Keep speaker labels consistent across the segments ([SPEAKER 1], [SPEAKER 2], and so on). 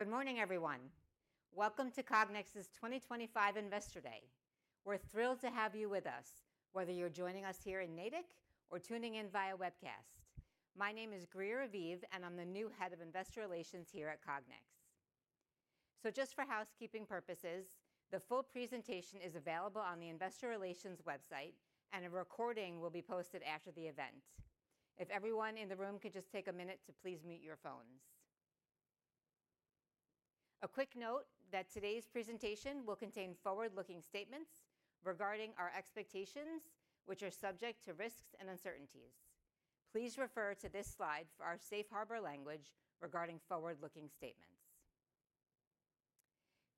[SPEAKER 1] Good morning, everyone. Welcome to Cognex's 2025 Investor Day. We're thrilled to have you with us, whether you're joining us here in Natick or tuning in via webcast. My name is Greer Aviv, and I'm the new Head of Investor Relations here at Cognex. Just for housekeeping purposes, the full presentation is available on the Investor Relations website, and a recording will be posted after the event. If everyone in the room could just take a minute to please mute your phones. A quick note that today's presentation will contain forward-looking statements regarding our expectations, which are subject to risks and uncertainties. Please refer to this slide for our safe harbor language regarding forward-looking statements.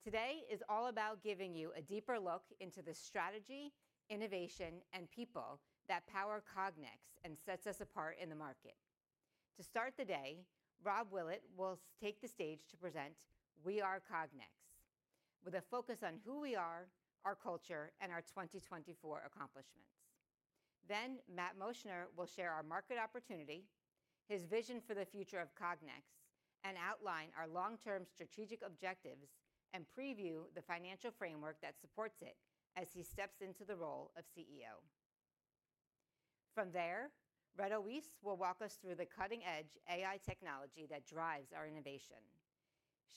[SPEAKER 1] Today is all about giving you a deeper look into the strategy, innovation, and people that power Cognex and set us apart in the market. To start the day, Rob Willett will take the stage to present "We Are Cognex," with a focus on who we are, our culture, and our 2024 accomplishments. Then Matt Moschner will share our market opportunity, his vision for the future of Cognex, and outline our long-term strategic objectives and preview the financial framework that supports it as he steps into the role of CEO. From there, Reto Wyss will walk us through the cutting-edge AI technology that drives our innovation.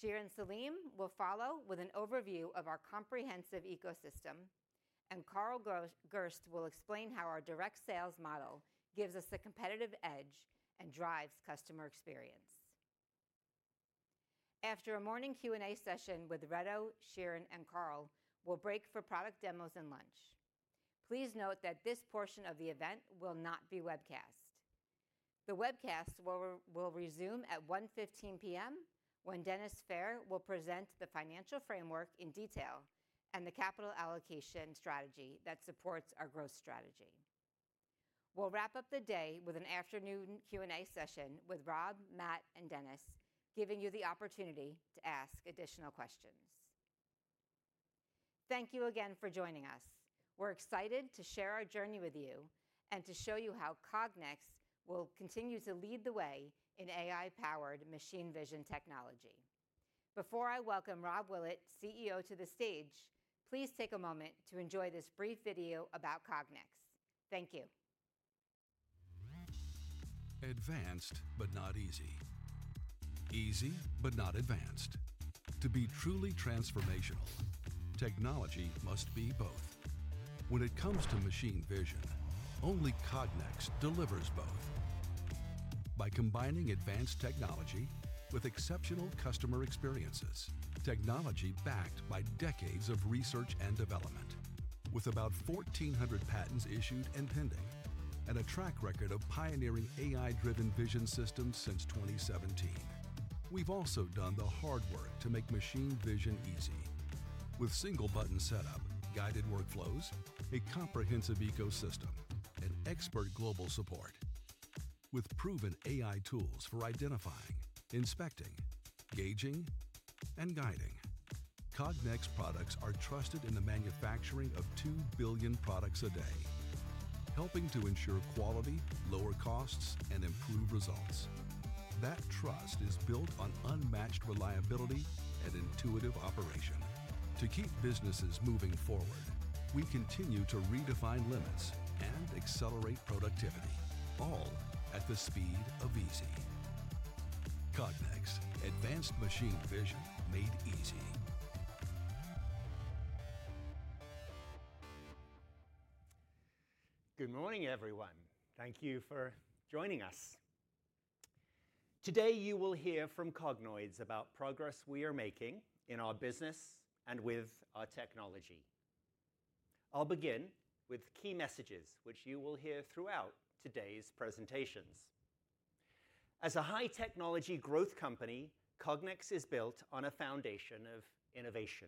[SPEAKER 1] Shirin Saleem will follow with an overview of our comprehensive ecosystem, and Carl Gerst will explain how our direct sales model gives us a competitive edge and drives customer experience. After a morning Q&A session with Reto, Shirin, and Carl, we'll break for product demos and lunch. Please note that this portion of the event will not be webcast. The webcast will resume at 1:15 P.M. When Dennis Fehr will present the financial framework in detail and the capital allocation strategy that supports our growth strategy. We'll wrap up the day with an afternoon Q&A session with Rob, Matt, and Dennis, giving you the opportunity to ask additional questions. Thank you again for joining us. We're excited to share our journey with you and to show you how Cognex will continue to lead the way in AI-powered machine vision technology. Before I welcome Rob Willett, CEO, to the stage, please take a moment to enjoy this brief video about Cognex. Thank you.
[SPEAKER 2] Advanced, but not easy. Easy, but not advanced. To be truly transformational, technology must be both. When it comes to machine vision, only Cognex delivers both. By combining advanced technology with exceptional customer experiences, technology backed by decades of research and development, with about 1,400 patents issued and pending, and a track record of pioneering AI-driven vision systems since 2017, we have also done the hard work to make machine vision easy, with single-button setup, guided workflows, a comprehensive ecosystem, and expert global support. With proven AI tools for identifying, inspecting, gauging, and guiding, Cognex products are trusted in the manufacturing of 2 billion products a day, helping to ensure quality, lower costs, and improve results. That trust is built on unmatched reliability and intuitive operation. To keep businesses moving forward, we continue to redefine limits and accelerate productivity, all at the speed of easy. Cognex, advanced machine vision made easy.
[SPEAKER 3] Good morning, everyone. Thank you for joining us. Today, you will hear from Cognoids about progress we are making in our business and with our technology. I'll begin with key messages which you will hear throughout today's presentations. As a high-technology growth company, Cognex is built on a foundation of innovation.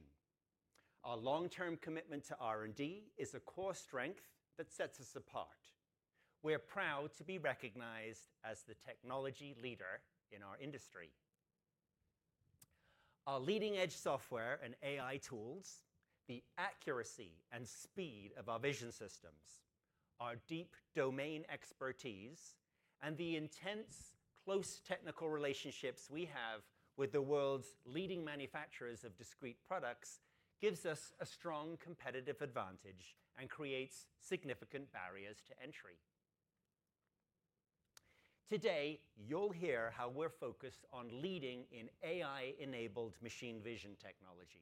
[SPEAKER 3] Our long-term commitment to R&D is a core strength that sets us apart. We're proud to be recognized as the technology leader in our industry. Our leading-edge software and AI tools, the accuracy and speed of our vision systems, our deep domain expertise, and the intense, close technical relationships we have with the world's leading manufacturers of discrete products give us a strong competitive advantage and create significant barriers to entry. Today, you'll hear how we're focused on leading in AI-enabled machine vision technology,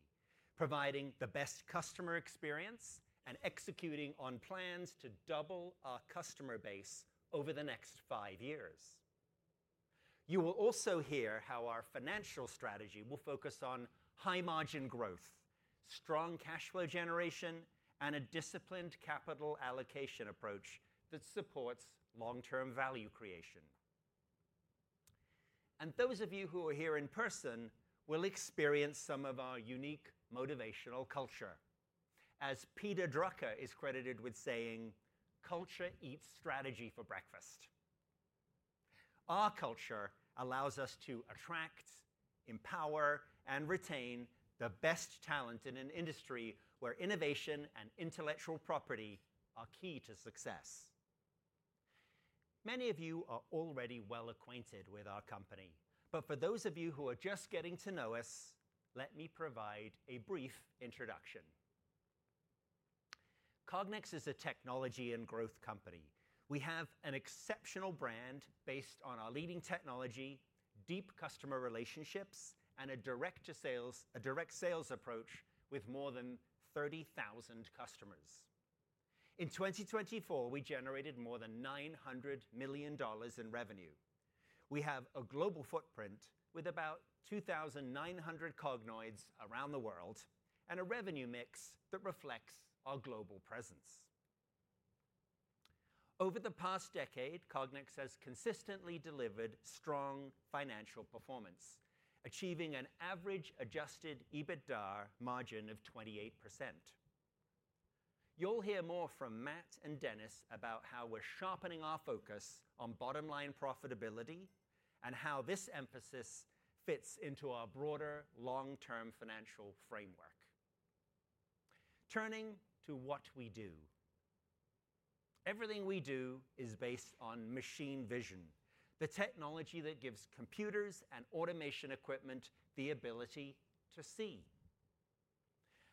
[SPEAKER 3] providing the best customer experience and executing on plans to double our customer base over the next five years. You will also hear how our financial strategy will focus on high-margin growth, strong cash flow generation, and a disciplined capital allocation approach that supports long-term value creation. Those of you who are here in person will experience some of our unique motivational culture. As Peter Drucker is credited with saying, "Culture eats strategy for breakfast." Our culture allows us to attract, empower, and retain the best talent in an industry where innovation and intellectual property are key to success. Many of you are already well acquainted with our company, but for those of you who are just getting to know us, let me provide a brief introduction. Cognex is a technology and growth company. We have an exceptional brand based on our leading technology, deep customer relationships, and a direct sales approach with more than 30,000 customers. In 2024, we generated more than $900 million in revenue. We have a global footprint with about 2,900 Cognoids around the world and a revenue mix that reflects our global presence. Over the past decade, Cognex has consistently delivered strong financial performance, achieving an average adjusted EBITDA margin of 28%. You'll hear more from Matt and Dennis about how we're sharpening our focus on bottom-line profitability and how this emphasis fits into our broader long-term financial framework. Turning to what we do, everything we do is based on machine vision, the technology that gives computers and automation equipment the ability to see.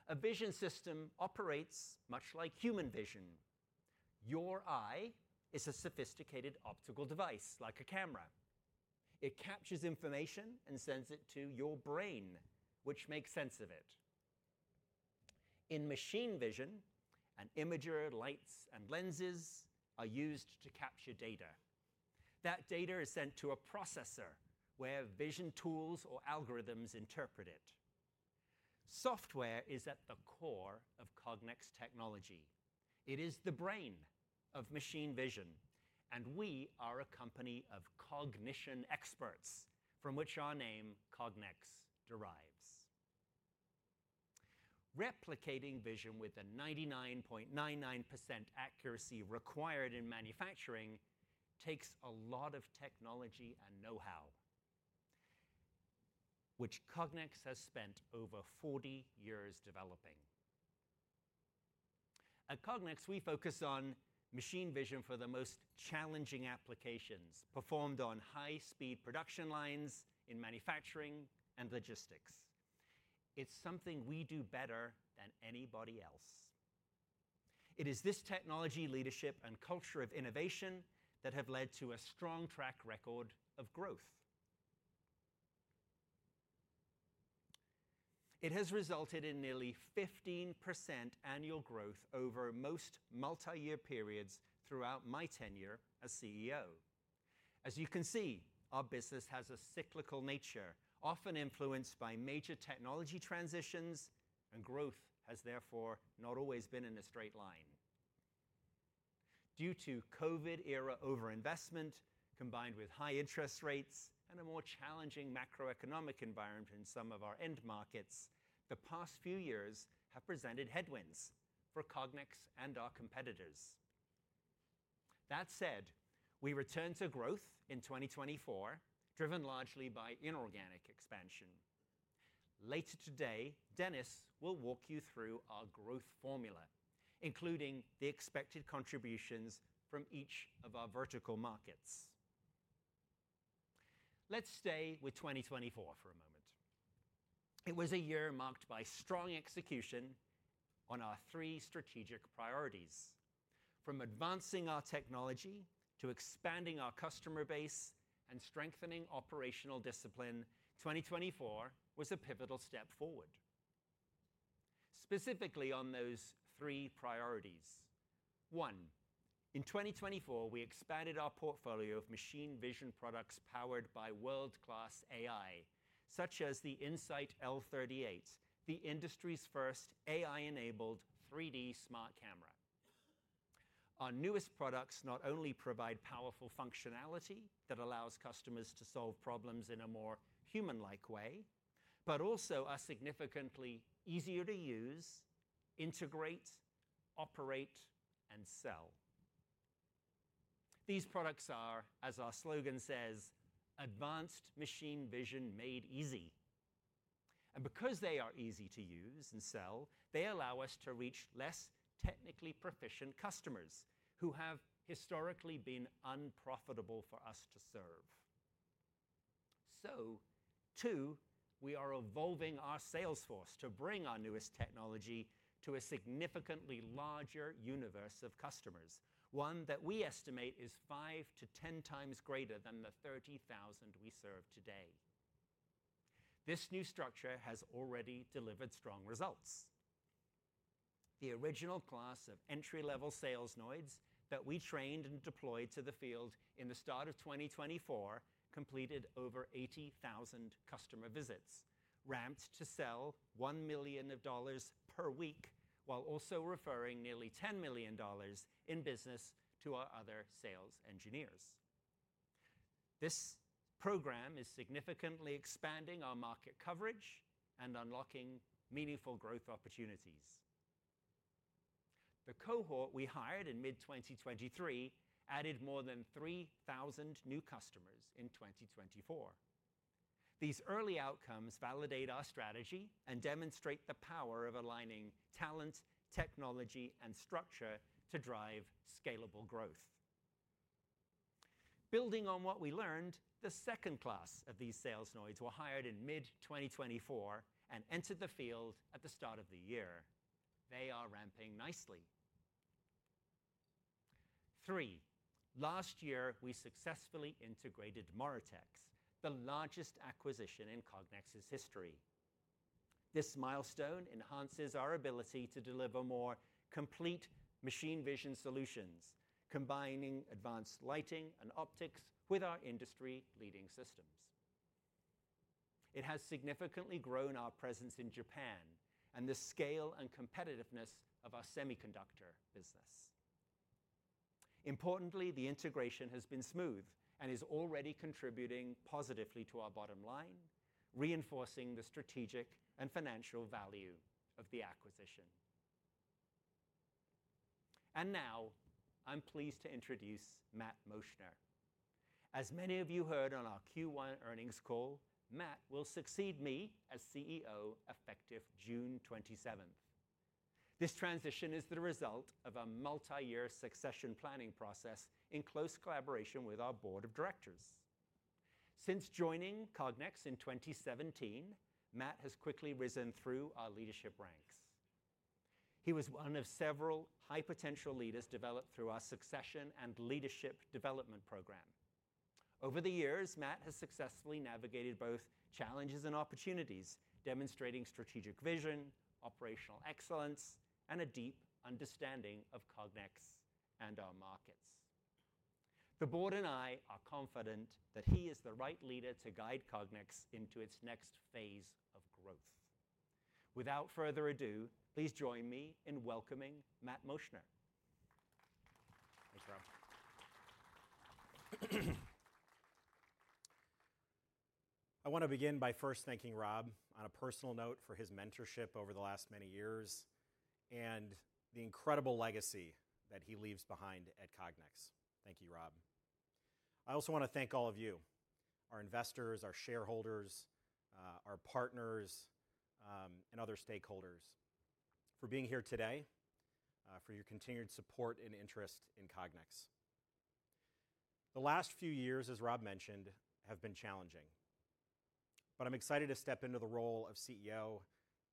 [SPEAKER 3] A vision system operates much like human vision. Your eye is a sophisticated optical device, like a camera. It captures information and sends it to your brain, which makes sense of it. In machine vision, an imager, lights, and lenses are used to capture data. That data is sent to a processor where vision tools or algorithms interpret it. Software is at the core of Cognex technology. It is the brain of machine vision, and we are a company of cognition experts, from which our name, Cognex, derives. Replicating vision with the 99.99% accuracy required in manufacturing takes a lot of technology and know-how, which Cognex has spent over 40 years developing. At Cognex, we focus on machine vision for the most challenging applications performed on high-speed production lines in manufacturing and logistics. It's something we do better than anybody else. It is this technology leadership and culture of innovation that have led to a strong track record of growth. It has resulted in nearly 15% annual growth over most multi-year periods throughout my tenure as CEO. As you can see, our business has a cyclical nature, often influenced by major technology transitions, and growth has therefore not always been in a straight line. Due to COVID-era overinvestment, combined with high interest rates and a more challenging macroeconomic environment in some of our end markets, the past few years have presented headwinds for Cognex and our competitors. That said, we returned to growth in 2024, driven largely by inorganic expansion. Later today, Dennis will walk you through our growth formula, including the expected contributions from each of our vertical markets. Let's stay with 2024 for a moment. It was a year marked by strong execution on our three strategic priorities. From advancing our technology to expanding our customer base and strengthening operational discipline, 2024 was a pivotal step forward, specifically on those three priorities. One, in 2024, we expanded our portfolio of machine vision products powered by world-class AI, such as the In-Sight L38, the industry's first AI-enabled 3D smart camera. Our newest products not only provide powerful functionality that allows customers to solve problems in a more human-like way, but also are significantly easier to use, integrate, operate, and sell. These products are, as our slogan says, "Advanced machine vision made easy." Because they are easy to use and sell, they allow us to reach less technically proficient customers who have historically been unprofitable for us to serve. Two, we are evolving our sales force to bring our newest technology to a significantly larger universe of customers, one that we estimate is 5-10 times greater than the 30,000 we serve today. This new structure has already delivered strong results. The original class of entry-level sales noids that we trained and deployed to the field in the start of 2024 completed over 80,000 customer visits, ramped to sell $1 million per week while also referring nearly $10 million in business to our other sales engineers. This program is significantly expanding our market coverage and unlocking meaningful growth opportunities. The cohort we hired in mid-2023 added more than 3,000 new customers in 2024. These early outcomes validate our strategy and demonstrate the power of aligning talent, technology, and structure to drive scalable growth. Building on what we learned, the second class of these sales noids were hired in mid-2024 and entered the field at the start of the year. They are ramping nicely. Three, last year, we successfully integrated MORITEX, the largest acquisition in Cognex's history. This milestone enhances our ability to deliver more complete machine vision solutions, combining advanced lighting and optics with our industry-leading systems. It has significantly grown our presence in Japan and the scale and competitiveness of our semiconductor business. Importantly, the integration has been smooth and is already contributing positively to our bottom line, reinforcing the strategic and financial value of the acquisition. I am pleased to introduce Matt Moschner. As many of you heard on our Q1 earnings call, Matt will succeed me as CEO effective June 27th, 2025. This transition is the result of a multi-year succession planning process in close collaboration with our board of directors. Since joining Cognex in 2017, Matt has quickly risen through our leadership ranks. He was one of several high-potential leaders developed through our succession and leadership development program. Over the years, Matt has successfully navigated both challenges and opportunities, demonstrating strategic vision, operational excellence, and a deep understanding of Cognex and our markets. The board and I are confident that he is the right leader to guide Cognex into its next phase of growth. Without further ado, please join me in welcoming Matt Moschner.
[SPEAKER 4] Thank you, Rob. I want to begin by first thanking Rob on a personal note for his mentorship over the last many years and the incredible legacy that he leaves behind at Cognex. Thank you, Rob. I also want to thank all of you, our investors, our shareholders, our partners, and other stakeholders for being here today, for your continued support and interest in Cognex. The last few years, as Rob mentioned, have been challenging, but I'm excited to step into the role of CEO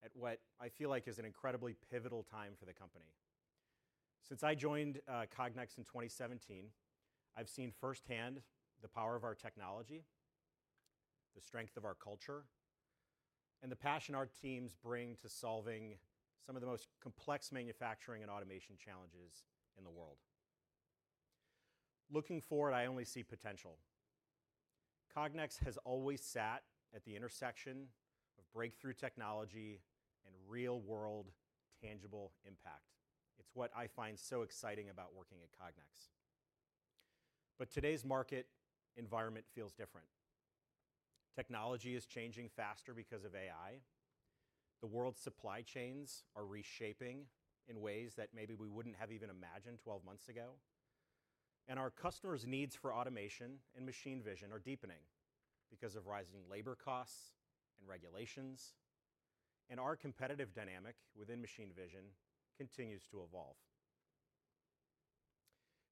[SPEAKER 4] at what I feel like is an incredibly pivotal time for the company. Since I joined Cognex in 2017, I've seen firsthand the power of our technology, the strength of our culture, and the passion our teams bring to solving some of the most complex manufacturing and automation challenges in the world. Looking forward, I only see potential. Cognex has always sat at the intersection of breakthrough technology and real-world tangible impact. It's what I find so exciting about working at Cognex. Today's market environment feels different. Technology is changing faster because of AI. The world's supply chains are reshaping in ways that maybe we wouldn't have even imagined 12 months ago. Our customers' needs for automation and machine vision are deepening because of rising labor costs and regulations, and our competitive dynamic within machine vision continues to evolve.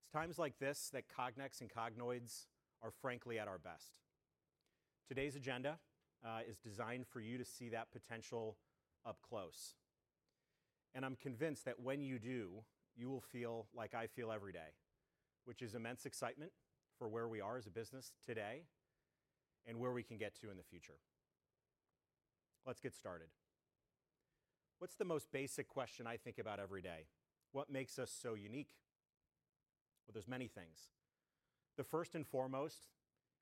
[SPEAKER 4] It's times like this that Cognex and Cognoids are, frankly, at our best. Today's agenda is designed for you to see that potential up close. I'm convinced that when you do, you will feel like I feel every day, which is immense excitement for where we are as a business today and where we can get to in the future. Let's get started. What's the most basic question I think about every day? What makes us so unique? There are many things. The first and foremost,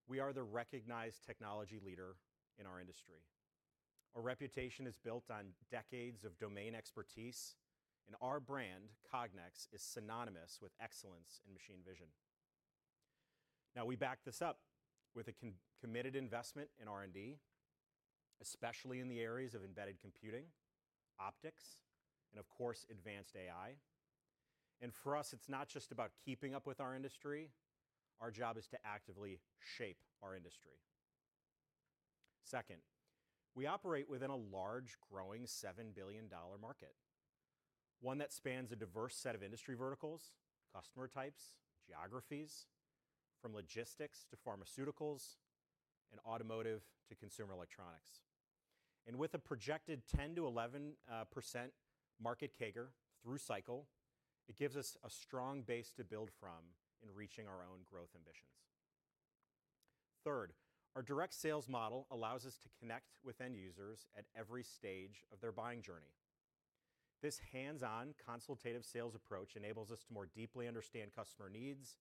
[SPEAKER 4] we are the recognized technology leader in our industry. Our reputation is built on decades of domain expertise, and our brand, Cognex, is synonymous with excellence in machine vision. We back this up with a committed investment in R&D, especially in the areas of embedded computing, optics, and, of course, advanced AI. For us, it's not just about keeping up with our industry. Our job is to actively shape our industry. Second, we operate within a large, growing $7 billion market, one that spans a diverse set of industry verticals, customer types, geographies, from logistics to pharmaceuticals and automotive to consumer electronics. With a projected 10-11% market CAGR through cycle, it gives us a strong base to build from in reaching our own growth ambitions. Third, our direct sales model allows us to connect with end users at every stage of their buying journey. This hands-on consultative sales approach enables us to more deeply understand customer needs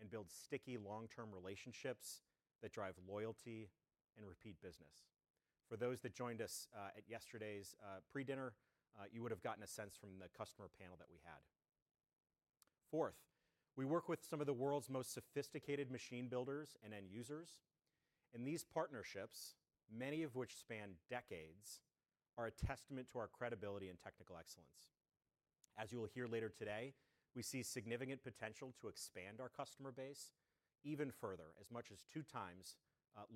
[SPEAKER 4] and build sticky long-term relationships that drive loyalty and repeat business. For those that joined us at yesterday's pre-dinner, you would have gotten a sense from the customer panel that we had. Fourth, we work with some of the world's most sophisticated machine builders and end users. These partnerships, many of which span decades, are a testament to our credibility and technical excellence. As you will hear later today, we see significant potential to expand our customer base even further, as much as two times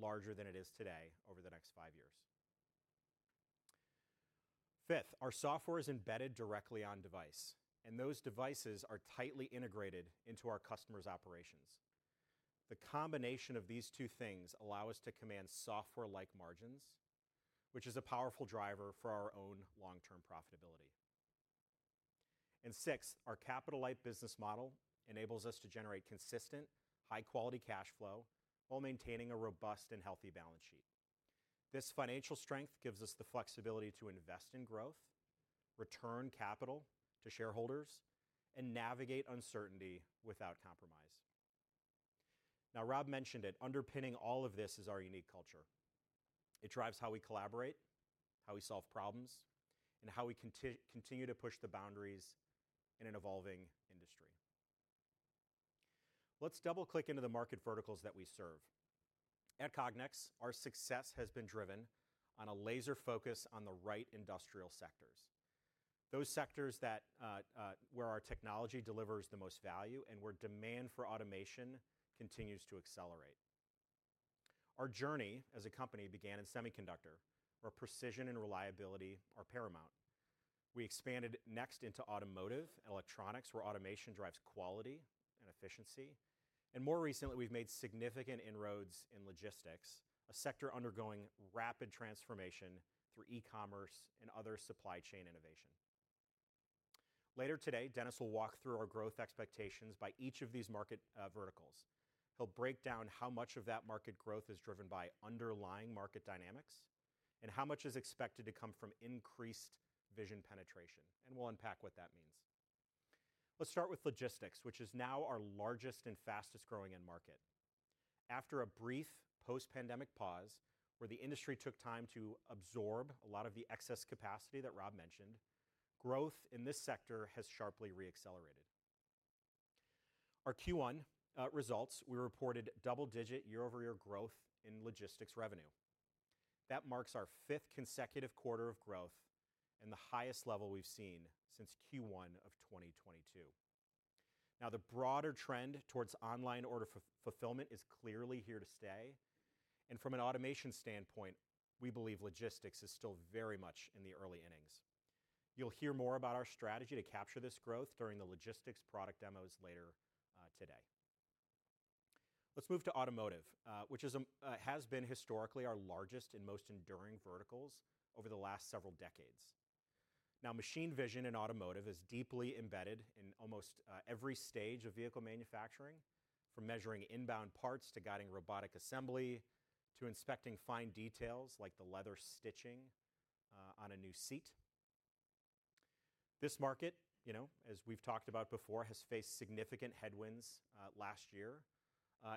[SPEAKER 4] larger than it is today over the next five years. Fifth, our software is embedded directly on device, and those devices are tightly integrated into our customers' operations. The combination of these two things allows us to command software-like margins, which is a powerful driver for our own long-term profitability. Sixth, our capital-like business model enables us to generate consistent, high-quality cash flow while maintaining a robust and healthy balance sheet. This financial strength gives us the flexibility to invest in growth, return capital to shareholders, and navigate uncertainty without compromise. Now, Rob mentioned it. Underpinning all of this is our unique culture. It drives how we collaborate, how we solve problems, and how we continue to push the boundaries in an evolving industry. Let's double-click into the market verticals that we serve. At Cognex, our success has been driven on a laser focus on the right industrial sectors, those sectors where our technology delivers the most value and where demand for automation continues to accelerate. Our journey as a company began in semiconductor, where precision and reliability are paramount. We expanded next into automotive and electronics, where automation drives quality and efficiency. More recently, we've made significant inroads in logistics, a sector undergoing rapid transformation through e-commerce and other supply chain innovation. Later today, Dennis will walk through our growth expectations by each of these market verticals. He'll break down how much of that market growth is driven by underlying market dynamics and how much is expected to come from increased vision penetration. We'll unpack what that means. Let's start with logistics, which is now our largest and fastest-growing end market. After a brief post-pandemic pause, where the industry took time to absorb a lot of the excess capacity that Rob mentioned, growth in this sector has sharply re-accelerated. In our Q1 results, we reported double-digit year-over-year growth in logistics revenue. That marks our fifth consecutive quarter of growth and the highest level we have seen since Q1 of 2022. The broader trend towards online order fulfillment is clearly here to stay. From an automation standpoint, we believe logistics is still very much in the early innings. You will hear more about our strategy to capture this growth during the logistics product demos later today. Let's move to automotive, which has been historically one of our largest and most enduring verticals over the last several decades. Now, machine vision in automotive is deeply embedded in almost every stage of vehicle manufacturing, from measuring inbound parts to guiding robotic assembly to inspecting fine details like the leather stitching on a new seat. This market, as we've talked about before, has faced significant headwinds last year,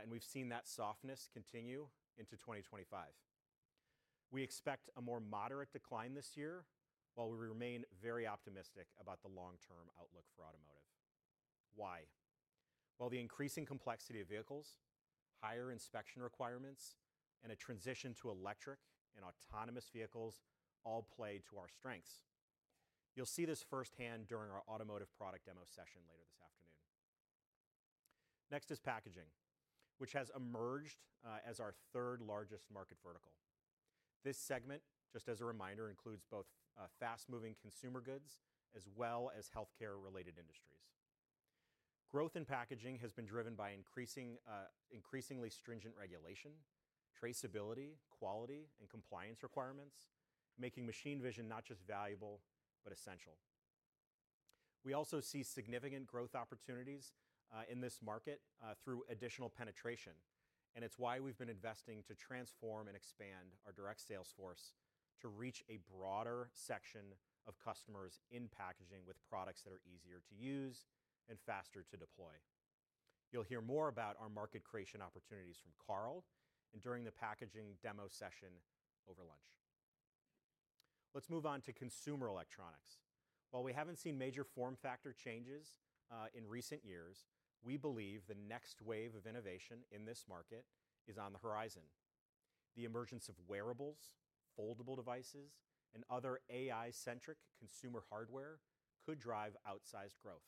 [SPEAKER 4] and we've seen that softness continue into 2025. We expect a more moderate decline this year, while we remain very optimistic about the long-term outlook for automotive. Why? The increasing complexity of vehicles, higher inspection requirements, and a transition to electric and autonomous vehicles all play to our strengths. You'll see this firsthand during our automotive product demo session later this afternoon. Next is packaging, which has emerged as our third largest market vertical. This segment, just as a reminder, includes both fast-moving consumer goods as well as healthcare-related industries. Growth in packaging has been driven by increasingly stringent regulation, traceability, quality, and compliance requirements, making machine vision not just valuable, but essential. We also see significant growth opportunities in this market through additional penetration. It is why we have been investing to transform and expand our direct sales force to reach a broader section of customers in packaging with products that are easier to use and faster to deploy. You will hear more about our market creation opportunities from Carl and during the packaging demo session over lunch. Let's move on to consumer electronics. While we have not seen major form factor changes in recent years, we believe the next wave of innovation in this market is on the horizon. The emergence of wearables, foldable devices, and other AI-centric consumer hardware could drive outsized growth.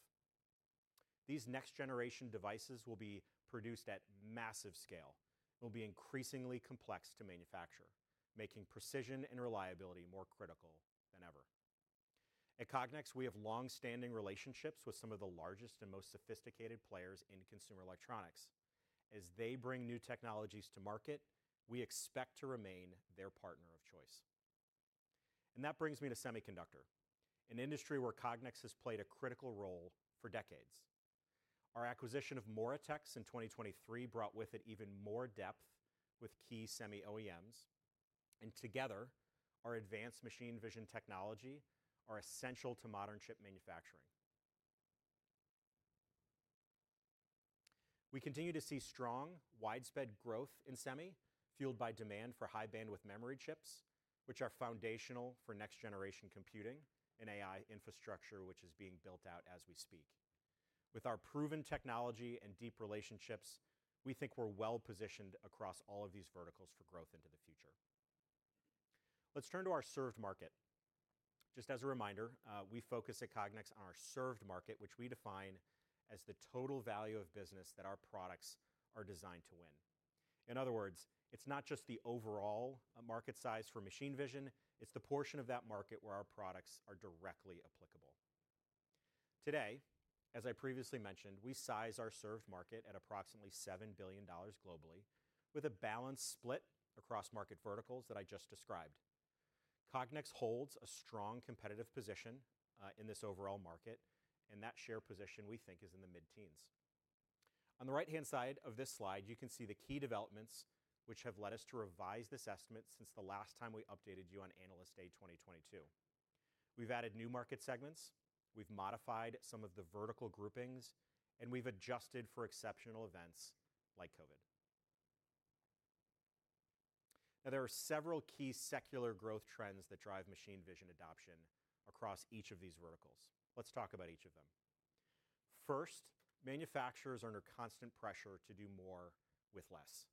[SPEAKER 4] These next-generation devices will be produced at massive scale and will be increasingly complex to manufacture, making precision and reliability more critical than ever. At Cognex, we have long-standing relationships with some of the largest and most sophisticated players in consumer electronics. As they bring new technologies to market, we expect to remain their partner of choice. That brings me to semiconductor, an industry where Cognex has played a critical role for decades. Our acquisition of MORITEX in 2023 brought with it even more depth with key semi OEMs. Together, our advanced machine vision technology is essential to modern chip manufacturing. We continue to see strong, widespread growth in semi, fueled by demand for high-bandwidth memory chips, which are foundational for next-generation computing and AI infrastructure, which is being built out as we speak. With our proven technology and deep relationships, we think we're well-positioned across all of these verticals for growth into the future. Let's turn to our served market. Just as a reminder, we focus at Cognex on our served market, which we define as the total value of business that our products are designed to win. In other words, it's not just the overall market size for machine vision; it's the portion of that market where our products are directly applicable. Today, as I previously mentioned, we size our served market at approximately $7 billion globally, with a balanced split across market verticals that I just described. Cognex holds a strong competitive position in this overall market, and that share position we think is in the mid-teens. On the right-hand side of this slide, you can see the key developments which have led us to revise this estimate since the last time we updated you on analyst day 2022. We have added new market segments, we have modified some of the vertical groupings, and we have adjusted for exceptional events like COVID. Now, there are several key secular growth trends that drive machine vision adoption across each of these verticals. Let's talk about each of them. First, manufacturers are under constant pressure to do more with less.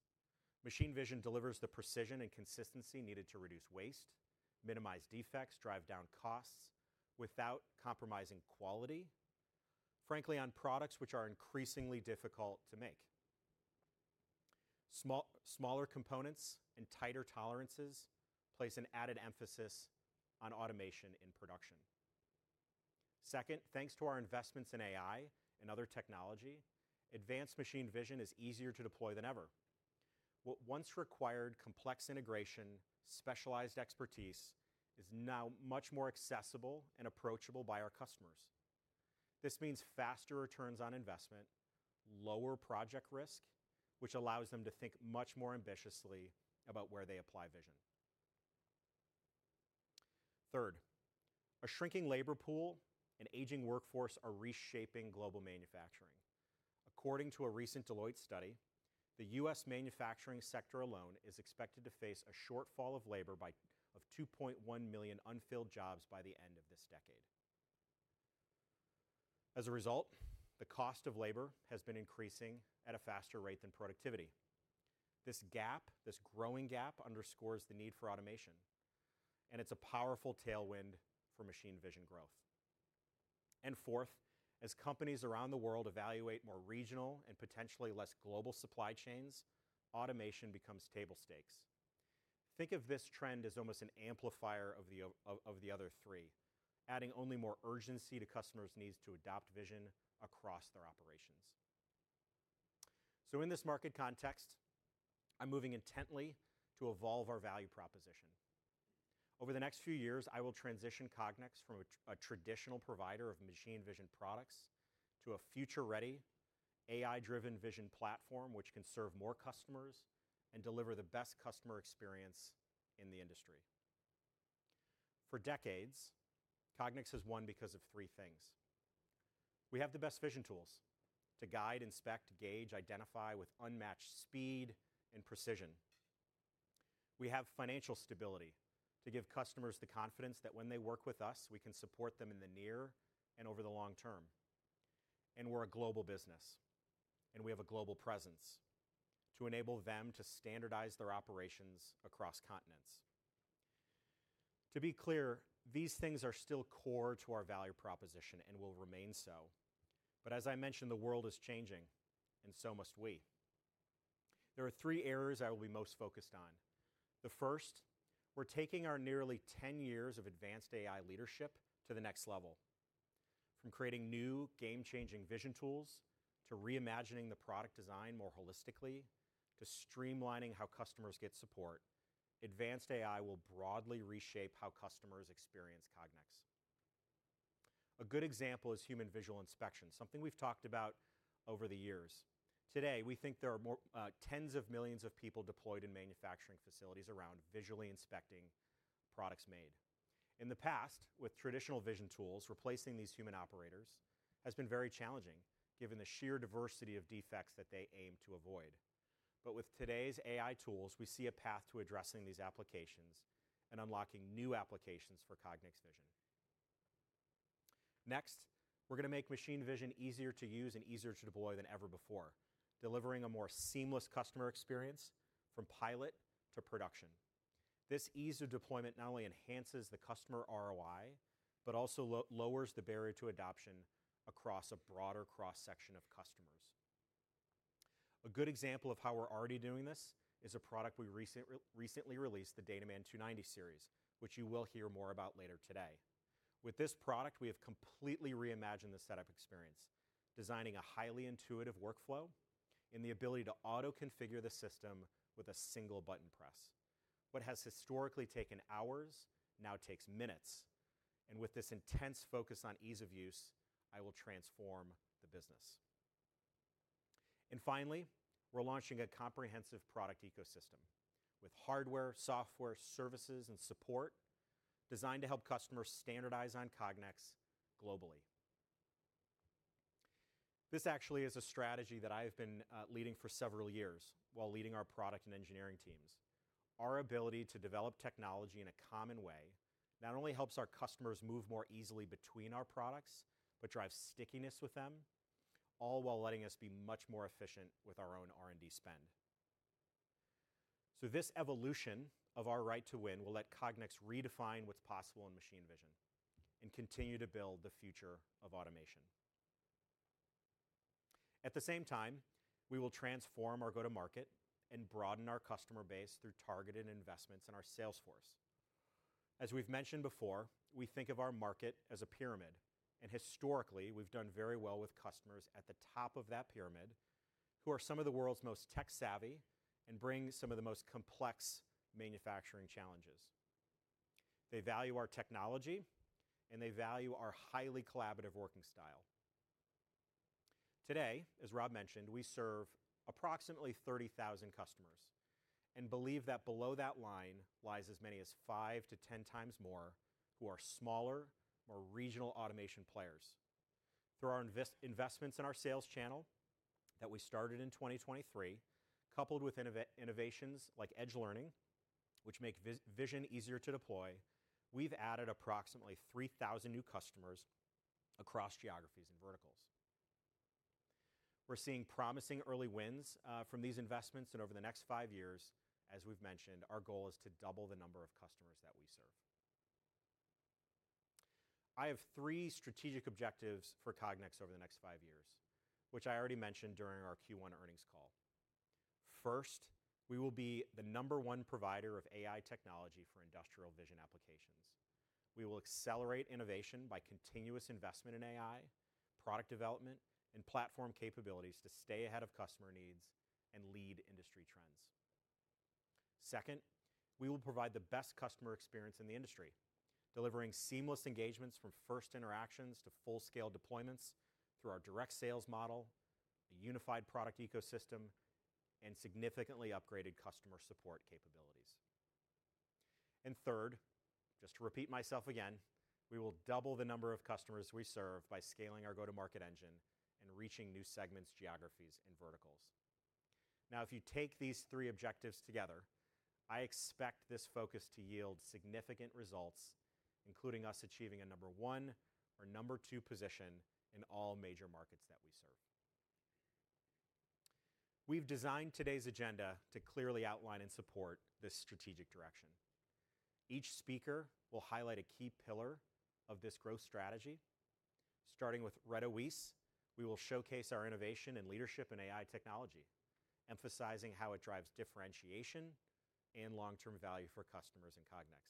[SPEAKER 4] Machine vision delivers the precision and consistency needed to reduce waste, minimize defects, and drive down costs without compromising quality, frankly, on products which are increasingly difficult to make. Smaller components and tighter tolerances place an added emphasis on automation in production. Second, thanks to our investments in AI and other technology, advanced machine vision is easier to deploy than ever. What once required complex integration, specialized expertise, is now much more accessible and approachable by our customers. This means faster returns on investment, lower project risk, which allows them to think much more ambitiously about where they apply vision. Third, a shrinking labor pool and aging workforce are reshaping global manufacturing. According to a recent Deloitte study, the U.S. manufacturing sector alone is expected to face a shortfall of labor of 2.1 million unfilled jobs by the end of this decade. As a result, the cost of labor has been increasing at a faster rate than productivity. This gap, this growing gap, underscores the need for automation, and it is a powerful tailwind for machine vision growth. Fourth, as companies around the world evaluate more regional and potentially less global supply chains, automation becomes table stakes. Think of this trend as almost an amplifier of the other three, adding only more urgency to customers' needs to adopt vision across their operations. In this market context, I'm moving intently to evolve our value proposition. Over the next few years, I will transition Cognex from a traditional provider of machine vision products to a future-ready, AI-driven vision platform which can serve more customers and deliver the best customer experience in the industry. For decades, Cognex has won because of three things. We have the best vision tools to guide, inspect, gauge, and identify with unmatched speed and precision. We have financial stability to give customers the confidence that when they work with us, we can support them in the near and over the long term. We are a global business, and we have a global presence to enable them to standardize their operations across continents. To be clear, these things are still core to our value proposition and will remain so. As I mentioned, the world is changing, and so must we. There are three areas I will be most focused on. The first, we're taking our nearly 10 years of advanced AI leadership to the next level. From creating new, game-changing vision tools to reimagining the product design more holistically to streamlining how customers get support, advanced AI will broadly reshape how customers experience Cognex. A good example is human visual inspection, something we've talked about over the years. Today, we think there are tens of millions of people deployed in manufacturing facilities around visually inspecting products made. In the past, with traditional vision tools, replacing these human operators has been very challenging given the sheer diversity of defects that they aim to avoid. With today's AI tools, we see a path to addressing these applications and unlocking new applications for Cognex vision. Next, we're going to make machine vision easier to use and easier to deploy than ever before, delivering a more seamless customer experience from pilot to production. This ease of deployment not only enhances the customer ROI, but also lowers the barrier to adoption across a broader cross-section of customers. A good example of how we're already doing this is a product we recently released, the DataMan 290 series, which you will hear more about later today. With this product, we have completely reimagined the setup experience, designing a highly intuitive workflow and the ability to auto-configure the system with a single button press. What has historically taken hours now takes minutes. With this intense focus on ease of use, I will transform the business. Finally, we're launching a comprehensive product ecosystem with hardware, software, services, and support designed to help customers standardize on Cognex globally. This actually is a strategy that I have been leading for several years while leading our product and engineering teams. Our ability to develop technology in a common way not only helps our customers move more easily between our products, but drives stickiness with them, all while letting us be much more efficient with our own R&D spend. This evolution of our right to win will let Cognex redefine what's possible in machine vision and continue to build the future of automation. At the same time, we will transform our go-to-market and broaden our customer base through targeted investments in our sales force. As we've mentioned before, we think of our market as a pyramid. Historically, we've done very well with customers at the top of that pyramid who are some of the world's most tech-savvy and bring some of the most complex manufacturing challenges. They value our technology, and they value our highly collaborative working style. Today, as Rob mentioned, we serve approximately 30,000 customers and believe that below that line lies as many as 5-10 times more who are smaller, more regional automation players. Through our investments in our sales channel that we started in 2023, coupled with innovations like edge learning, which make vision easier to deploy, we've added approximately 3,000 new customers across geographies and verticals. We're seeing promising early wins from these investments. Over the next five years, as we've mentioned, our goal is to double the number of customers that we serve. I have three strategic objectives for Cognex over the next five years, which I already mentioned during our Q1 earnings call. First, we will be the number one provider of AI technology for industrial vision applications. We will accelerate innovation by continuous investment in AI, product development, and platform capabilities to stay ahead of customer needs and lead industry trends. Second, we will provide the best customer experience in the industry, delivering seamless engagements from first interactions to full-scale deployments through our direct sales model, a unified product ecosystem, and significantly upgraded customer support capabilities. Third, just to repeat myself again, we will double the number of customers we serve by scaling our go-to-market engine and reaching new segments, geographies, and verticals. Now, if you take these three objectives together, I expect this focus to yield significant results, including us achieving a number one or number two position in all major markets that we serve. We have designed today's agenda to clearly outline and support this strategic direction. Each speaker will highlight a key pillar of this growth strategy. Starting with Reto Wyss, we will showcase our innovation and leadership in AI technology, emphasizing how it drives differentiation and long-term value for customers in Cognex.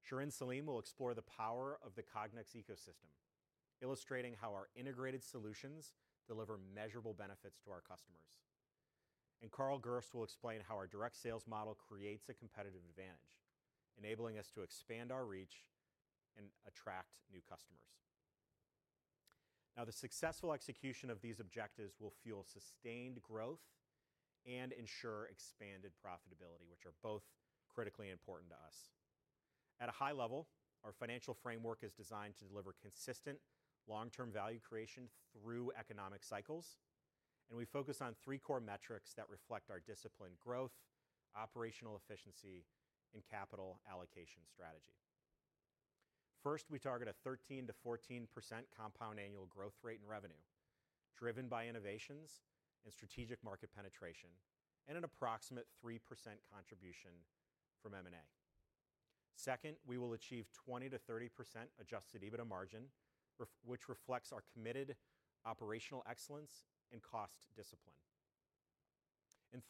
[SPEAKER 4] Shirin Saleem will explore the power of the Cognex ecosystem, illustrating how our integrated solutions deliver measurable benefits to our customers. Carl Gerst will explain how our direct sales model creates a competitive advantage, enabling us to expand our reach and attract new customers. Now, the successful execution of these objectives will fuel sustained growth and ensure expanded profitability, which are both critically important to us. At a high level, our financial framework is designed to deliver consistent long-term value creation through economic cycles. We focus on three core metrics that reflect our disciplined growth, operational efficiency, and capital allocation strategy. First, we target a 13-14% compound annual growth rate in revenue, driven by innovations and strategic market penetration, and an approximate 3% contribution from M&A. Second, we will achieve a 20-30% adjusted EBITDA margin, which reflects our committed operational excellence and cost discipline.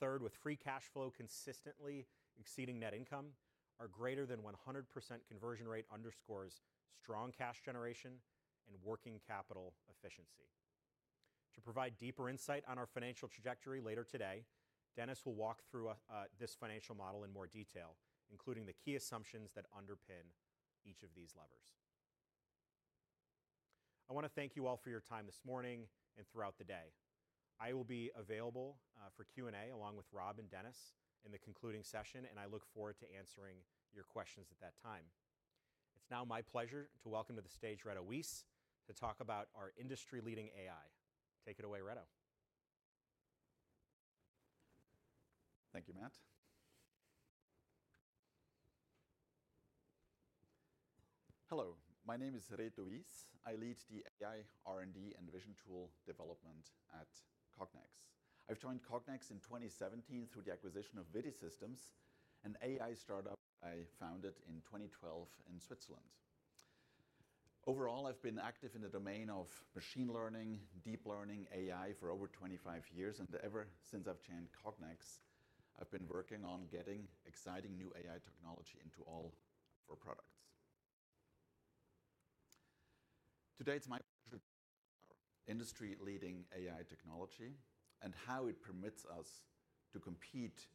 [SPEAKER 4] Third, with free cash flow consistently exceeding net income, our greater than 100% conversion rate underscores strong cash generation and working capital efficiency. To provide deeper insight on our financial trajectory later today, Dennis will walk through this financial model in more detail, including the key assumptions that underpin each of these levers. I want to thank you all for your time this morning and throughout the day. I will be available for Q&A along with Rob and Dennis in the concluding session, and I look forward to answering your questions at that time. It's now my pleasure to welcome to the stage Reto Wyss to talk about our industry-leading AI. Take it away, Reto.
[SPEAKER 3] Thank you, Matt. Hello. My name is Reto Wyss. I lead the AI, R&D, and vision tool development at Cognex. I joined Cognex in 2017 through the acquisition of ViDi Systems, an AI startup I founded in 2012 in Switzerland. Overall, I've been active in the domain of machine learning, deep learning, AI for over 25 years. Ever since I joined Cognex, I've been working on getting exciting new AI technology into all of our products. Today, it's my pleasure to talk about our industry-leading AI technology and how it permits us to compete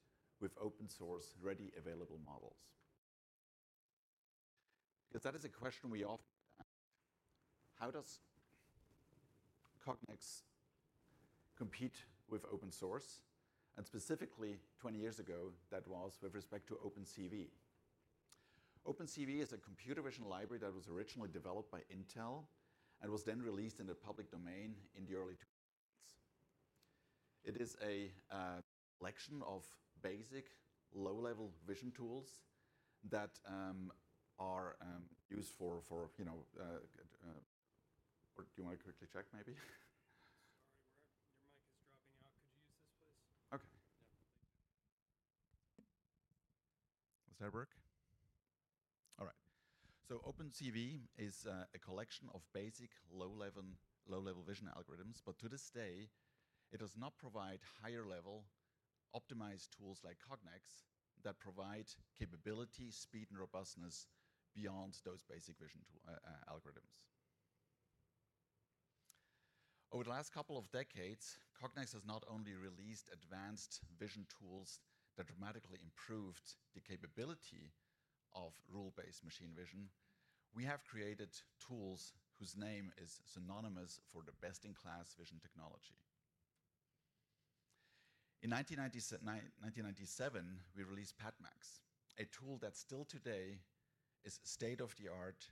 [SPEAKER 3] with open-source ready available models. Because that is a question we often ask: how does Cognex compete with open source? Specifically, 20 years ago, that was with respect to OpenCV. OpenCV is a computer vision library that was originally developed by Intel and was then released in the public domain in the early 2000s. It is a collection of basic low-level vision tools that are used for—do you want to quickly check, maybe? Sorry, your mic is dropping out. Could you use this, please? Okay. Yeah, thank you. Does that work? All right. OpenCV is a collection of basic low-level vision algorithms, but to this day, it does not provide higher-level optimized tools like Cognex that provide capability, speed, and robustness beyond those basic vision algorithms. Over the last couple of decades, Cognex has not only released advanced vision tools that dramatically improved the capability of rule-based machine vision, we have created tools whose name is synonymous for the best-in-class vision technology. In 1997, we released PatMax, a tool that still today is state-of-the-art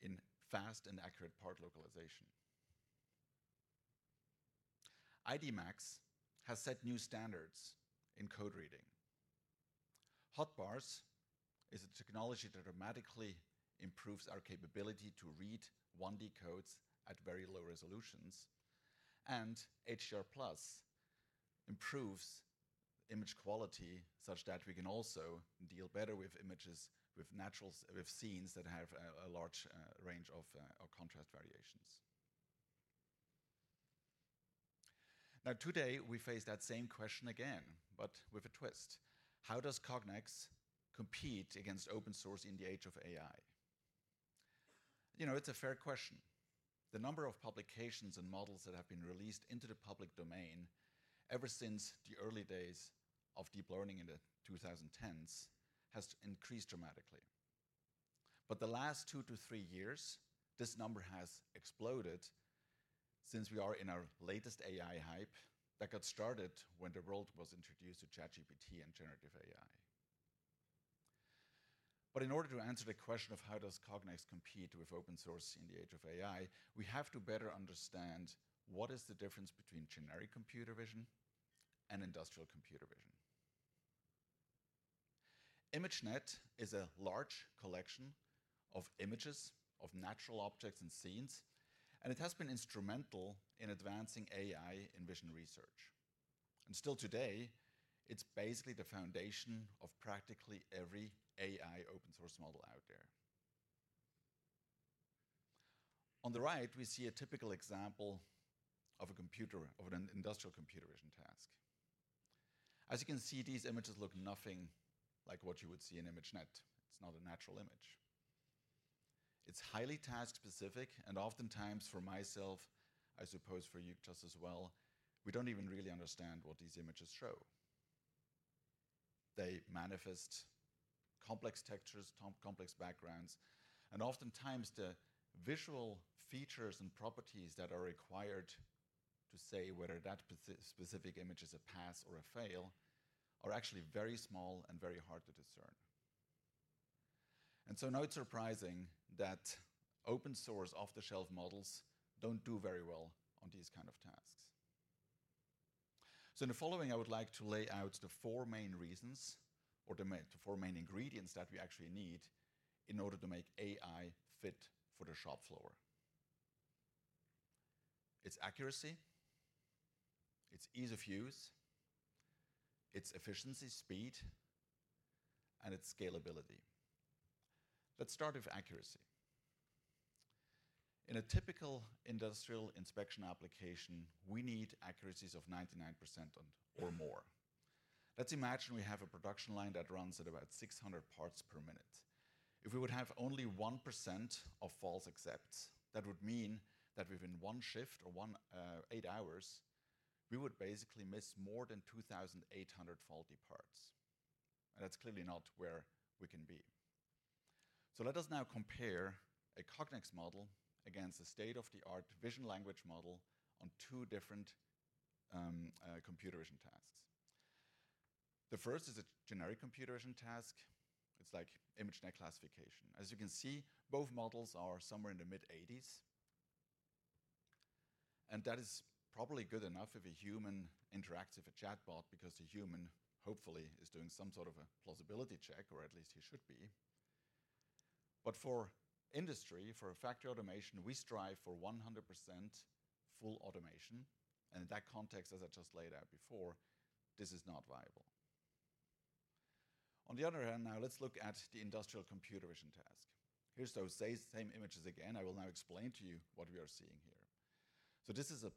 [SPEAKER 3] in fast and accurate part localization. IDMax has set new standards in code reading. Hotbars is a technology that dramatically improves our capability to read 1D codes at very low resolutions. HDR+ improves image quality such that we can also deal better with images with scenes that have a large range of contrast variations. Now, today, we face that same question again, but with a twist. How does Cognex compete against open source in the age of AI? It's a fair question. The number of publications and models that have been released into the public domain ever since the early days of deep learning in the 2010s has increased dramatically. The last two to three years, this number has exploded since we are in our latest AI hype that got started when the world was introduced to ChatGPT and generative AI. In order to answer the question of how does Cognex compete with open source in the age of AI, we have to better understand what is the difference between generic computer vision and industrial computer vision. ImageNet is a large collection of images of natural objects and scenes, and it has been instrumental in advancing AI in vision research. Still today, it is basically the foundation of practically every AI open-source model out there. On the right, we see a typical example of an industrial computer vision task. As you can see, these images look nothing like what you would see in ImageNet. It's not a natural image. It's highly task-specific, and oftentimes, for myself, I suppose for you just as well, we don't even really understand what these images show. They manifest complex textures, complex backgrounds, and oftentimes, the visual features and properties that are required to say whether that specific image is a pass or a fail are actually very small and very hard to discern. Not surprising that open-source off-the-shelf models don't do very well on these kinds of tasks. In the following, I would like to lay out the four main reasons or the four main ingredients that we actually need in order to make AI fit for the shop floor. It's accuracy, it's ease of use, it's efficiency, speed, and it's scalability. Let's start with accuracy. In a typical industrial inspection application, we need accuracies of 99% or more. Let's imagine we have a production line that runs at about 600 parts per minute. If we would have only 1% of false accepts, that would mean that within one shift or eight hours, we would basically miss more than 2,800 faulty parts. That is clearly not where we can be. Let us now compare a Cognex model against a state-of-the-art vision language model on two different computer vision tasks. The first is a generic computer vision task. It's like ImageNet classification. As you can see, both models are somewhere in the mid-80s. That is probably good enough if a human interacts with a chatbot because the human, hopefully, is doing some sort of a plausibility check, or at least he should be. For industry, for factory automation, we strive for 100% full automation. In that context, as I just laid out before, this is not viable. On the other hand, now let's look at the industrial computer vision task. Here are those same images again. I will now explain to you what we are seeing here. This is a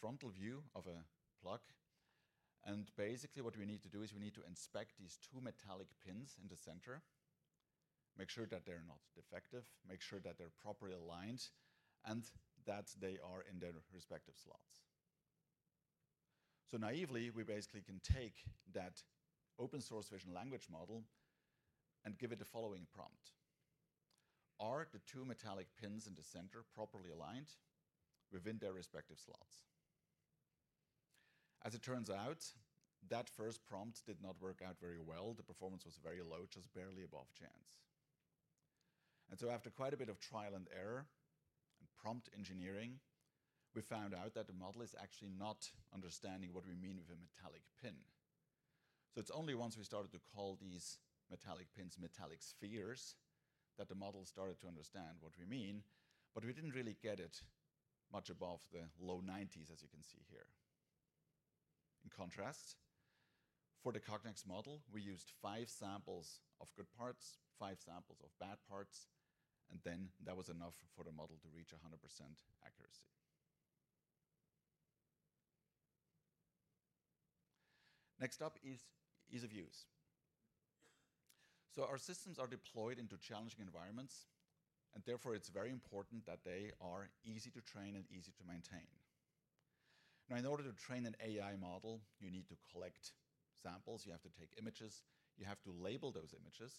[SPEAKER 3] frontal view of a plug. Basically, what we need to do is we need to inspect these two metallic pins in the center, make sure that they're not defective, make sure that they're properly aligned, and that they are in their respective slots. Naively, we basically can take that open-source vision language model and give it the following prompt: Are the two metallic pins in the center properly aligned within their respective slots? As it turns out, that first prompt did not work out very well. The performance was very low, just barely above chance. After quite a bit of trial and error and prompt engineering, we found out that the model is actually not understanding what we mean with a metallic pin. It is only once we started to call these metallic pins metallic spheres that the model started to understand what we mean. We did not really get it much above the low 90%, as you can see here. In contrast, for the Cognex model, we used five samples of good parts, five samples of bad parts, and that was enough for the model to reach 100% accuracy. Next up is ease of use. Our systems are deployed into challenging environments, and therefore, it is very important that they are easy to train and easy to maintain. In order to train an AI model, you need to collect samples. You have to take images. You have to label those images.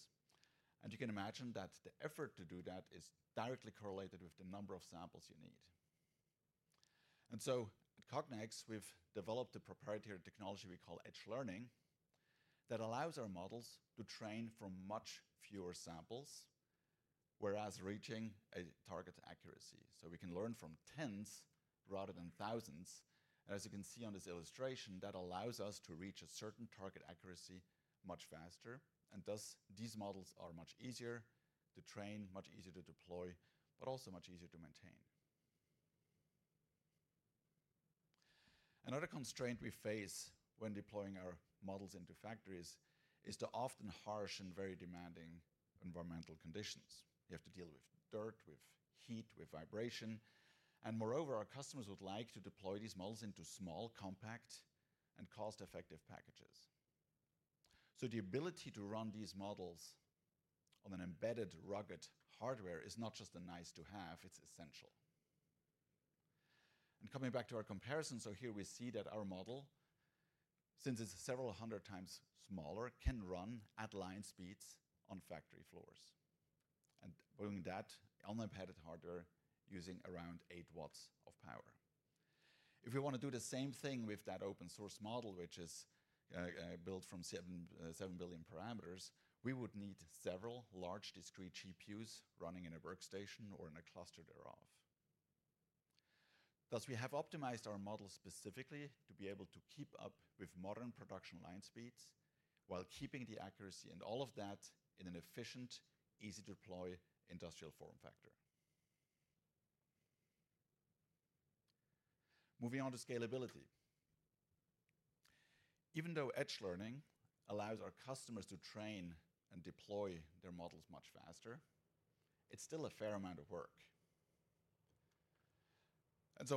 [SPEAKER 3] You can imagine that the effort to do that is directly correlated with the number of samples you need. At Cognex, we've developed a proprietary technology we call edge learning that allows our models to train from much fewer samples, whereas reaching a target accuracy. We can learn from tens rather than thousands. As you can see on this illustration, that allows us to reach a certain target accuracy much faster. These models are much easier to train, much easier to deploy, but also much easier to maintain. Another constraint we face when deploying our models into factories is the often harsh and very demanding environmental conditions. You have to deal with dirt, with heat, with vibration. Moreover, our customers would like to deploy these models into small, compact, and cost-effective packages. The ability to run these models on an embedded, rugged hardware is not just a nice-to-have; it is essential. Coming back to our comparison, here we see that our model, since it is several hundred times smaller, can run at line speeds on factory floors. Doing that on embedded hardware uses around 8 W of power. If we want to do the same thing with that open-source model, which is built from 7 billion parameters, we would need several large discrete GPUs running in a workstation or in a cluster thereof. Thus, we have optimized our model specifically to be able to keep up with modern production line speeds while keeping the accuracy and all of that in an efficient, easy-to-deploy industrial form factor. Moving on to scalability. Even though edge learning allows our customers to train and deploy their models much faster, it's still a fair amount of work.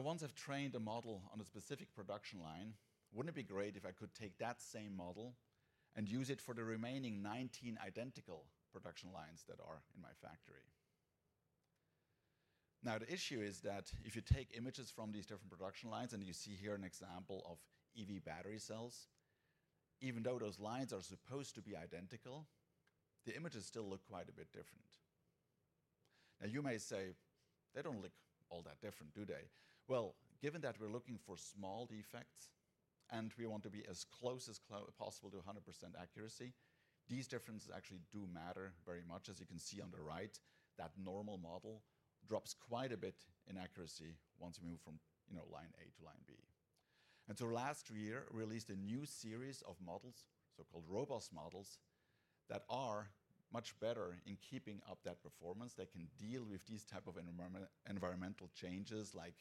[SPEAKER 3] Once I've trained a model on a specific production line, wouldn't it be great if I could take that same model and use it for the remaining 19 identical production lines that are in my factory? The issue is that if you take images from these different production lines, and you see here an example of EV battery cells, even though those lines are supposed to be identical, the images still look quite a bit different. You may say, "They don't look all that different, do they?" Given that we're looking for small defects and we want to be as close as possible to 100% accuracy, these differences actually do matter very much. As you can see on the right, that normal model drops quite a bit in accuracy once you move from line A to line B. Last year, we released a new series of models, so-called robust models, that are much better in keeping up that performance. They can deal with these types of environmental changes, like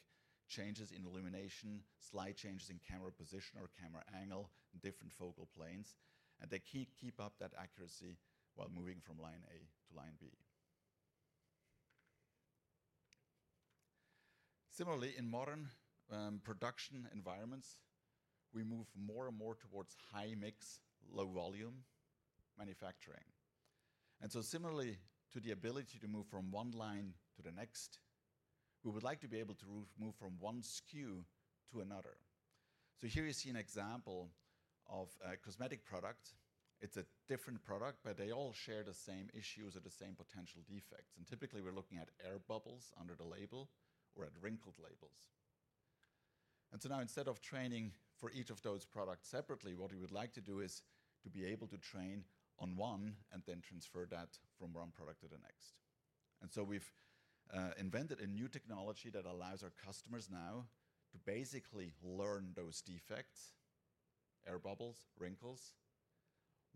[SPEAKER 3] changes in illumination, slight changes in camera position or camera angle, different focal planes, and they keep up that accuracy while moving from line A to line B. Similarly, in modern production environments, we move more and more towards high-mix, low-volume manufacturing. Similarly to the ability to move from one line to the next, we would like to be able to move from one SKU to another. Here you see an example of a cosmetic product. It's a different product, but they all share the same issues or the same potential defects. Typically, we're looking at air bubbles under the label or at wrinkled labels. Now, instead of training for each of those products separately, what we would like to do is to be able to train on one and then transfer that from one product to the next. We have invented a new technology that allows our customers now to basically learn those defects, air bubbles, wrinkles,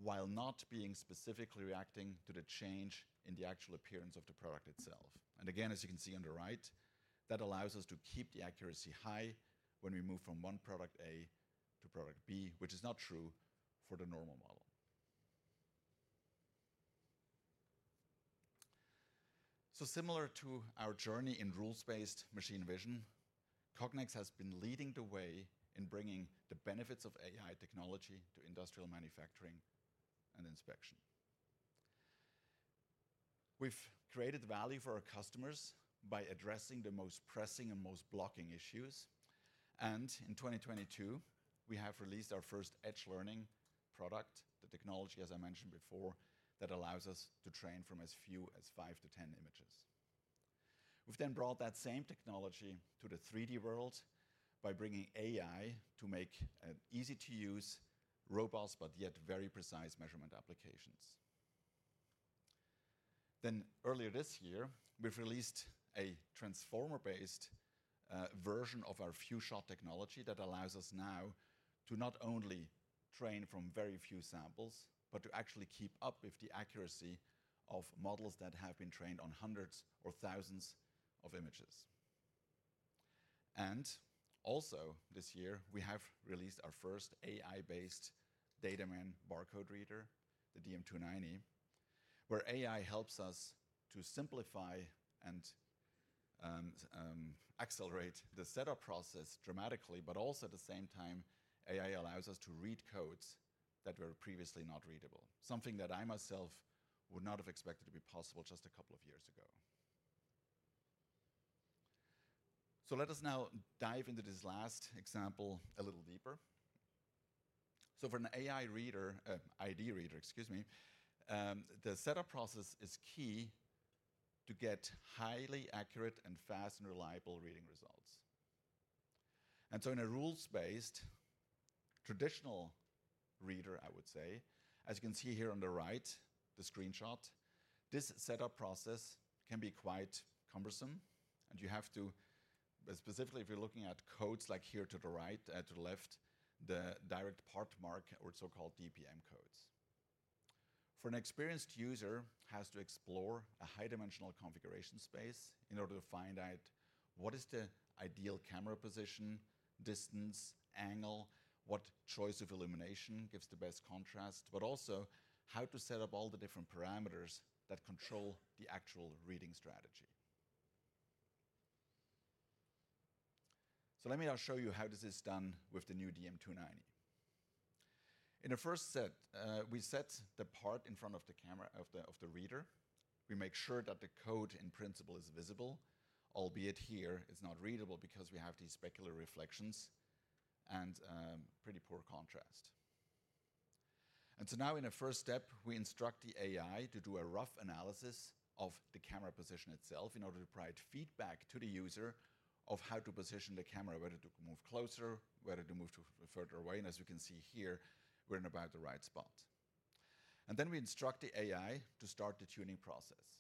[SPEAKER 3] while not being specifically reacting to the change in the actual appearance of the product itself. Again, as you can see on the right, that allows us to keep the accuracy high when we move from one product A to product B, which is not true for the normal model. Similar to our journey in rules-based machine vision, Cognex has been leading the way in bringing the benefits of AI technology to industrial manufacturing and inspection. We've created value for our customers by addressing the most pressing and most blocking issues. In 2022, we have released our first edge learning product, the technology, as I mentioned before, that allows us to train from as few as five to ten images. We've then brought that same technology to the 3D world by bringing AI to make easy-to-use, robust, but yet very precise measurement applications. Earlier this year, we've released a transformer-based version of our few-shot technology that allows us now to not only train from very few samples, but to actually keep up with the accuracy of models that have been trained on hundreds or thousands of images. Also, this year, we have released our first AI-based DataMan barcode reader, the DM 290, where AI helps us to simplify and accelerate the setup process dramatically, but also at the same time, AI allows us to read codes that were previously not readable, something that I myself would not have expected to be possible just a couple of years ago. Let us now dive into this last example a little deeper. For an AI reader, ID reader, excuse me, the setup process is key to get highly accurate and fast and reliable reading results. In a rules-based traditional reader, I would say, as you can see here on the right, the screenshot, this setup process can be quite cumbersome. You have to, specifically, if you're looking at codes like here to the right, to the left, the direct part mark or so-called DPM codes. For an experienced user, it has to explore a high-dimensional configuration space in order to find out what is the ideal camera position, distance, angle, what choice of illumination gives the best contrast, but also how to set up all the different parameters that control the actual reading strategy. Let me now show you how this is done with the new DM 290. In the first set, we set the part in front of the reader. We make sure that the code, in principle, is visible, albeit here it's not readable because we have these specular reflections and pretty poor contrast. In a first step, we instruct the AI to do a rough analysis of the camera position itself in order to provide feedback to the user of how to position the camera, whether to move closer, whether to move further away. As you can see here, we're in about the right spot. We instruct the AI to start the tuning process.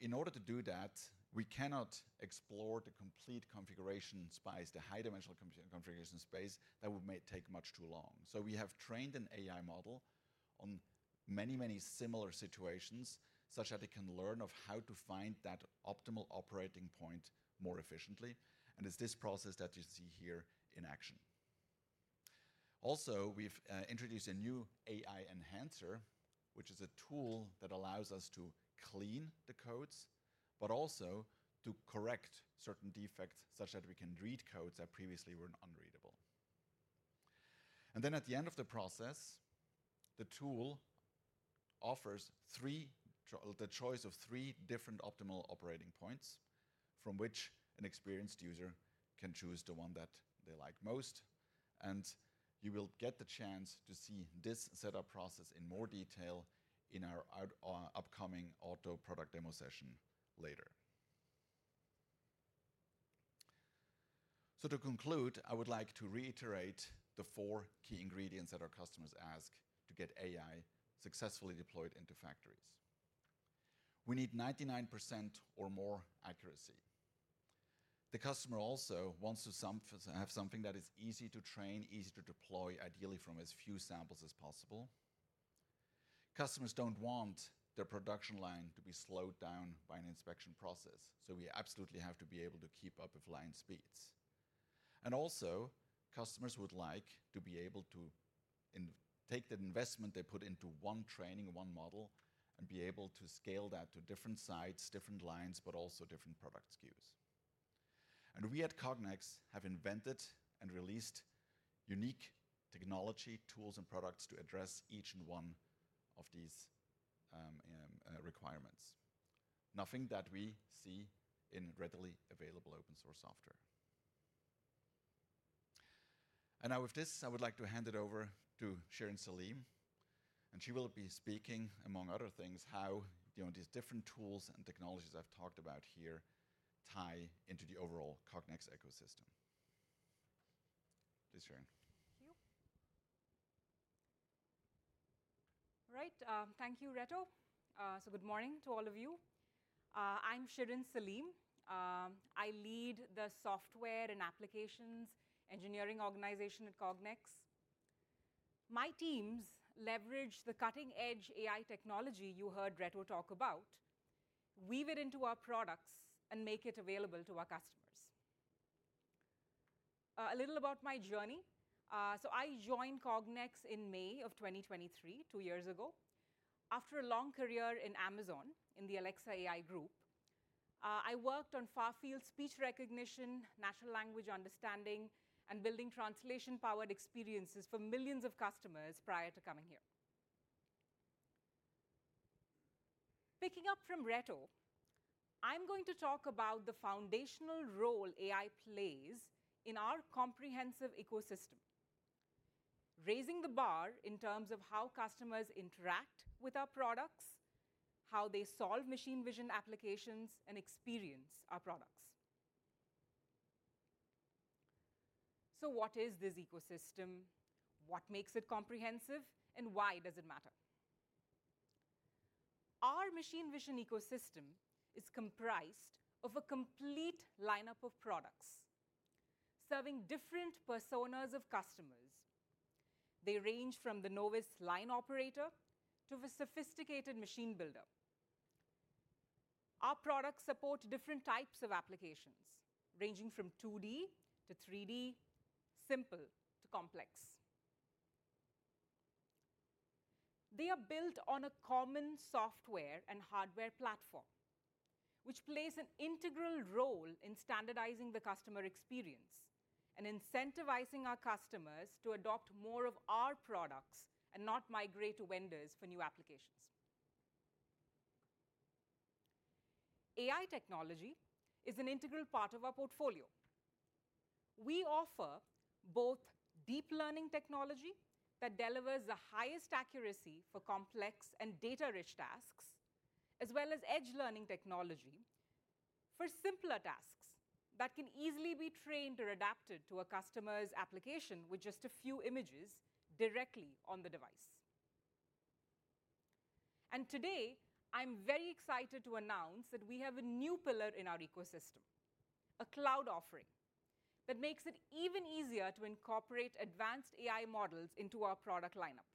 [SPEAKER 3] In order to do that, we cannot explore the complete configuration space, the high-dimensional configuration space that would take much too long. We have trained an AI model on many, many similar situations such that it can learn how to find that optimal operating point more efficiently. It is this process that you see here in action. Also, we've introduced a new AI enhancer, which is a tool that allows us to clean the codes, but also to correct certain defects such that we can read codes that previously were unreadable. At the end of the process, the tool offers the choice of three different optimal operating points from which an experienced user can choose the one that they like most. You will get the chance to see this setup process in more detail in our upcoming auto product demo session later. To conclude, I would like to reiterate the four key ingredients that our customers ask to get AI successfully deployed into factories. We need 99% or more accuracy. The customer also wants to have something that is easy to train, easy to deploy, ideally from as few samples as possible. Customers do not want their production line to be slowed down by an inspection process. We absolutely have to be able to keep up with line speeds. Also, customers would like to be able to take the investment they put into one training, one model, and be able to scale that to different sites, different lines, but also different product SKUs. We at Cognex have invented and released unique technology, tools, and products to address each and one of these requirements, nothing that we see in readily available open-source software. Now, with this, I would like to hand it over to Shirin Saleem. She will be speaking, among other things, about how these different tools and technologies I have talked about here tie into the overall Cognex ecosystem. Please, Shirin.
[SPEAKER 5] Thank you. All right. Thank you, Reto. Good morning to all of you. I am Shirin Saleem. I lead the software and applications engineering organization at Cognex. My teams leverage the cutting-edge AI technology you heard Reto talk about, weave it into our products, and make it available to our customers. A little about my journey. I joined Cognex in May of 2023, two years ago. After a long career in Amazon in the Alexa AI group, I worked on far-field speech recognition, natural language understanding, and building translation-powered experiences for millions of customers prior to coming here. Picking up from Reto, I'm going to talk about the foundational role AI plays in our comprehensive ecosystem, raising the bar in terms of how customers interact with our products, how they solve machine vision applications, and experience our products. What is this ecosystem? What makes it comprehensive? Why does it matter? Our machine vision ecosystem is comprised of a complete lineup of products serving different personas of customers. They range from the novice line operator to the sophisticated machine builder. Our products support different types of applications ranging from 2D to 3D, simple to complex. They are built on a common software and hardware platform, which plays an integral role in standardizing the customer experience and incentivizing our customers to adopt more of our products and not migrate to vendors for new applications. AI technology is an integral part of our portfolio. We offer both deep learning technology that delivers the highest accuracy for complex and data-rich tasks, as well as edge learning technology for simpler tasks that can easily be trained or adapted to a customer's application with just a few images directly on the device. Today, I'm very excited to announce that we have a new pillar in our ecosystem, a cloud offering that makes it even easier to incorporate advanced AI models into our product lineup.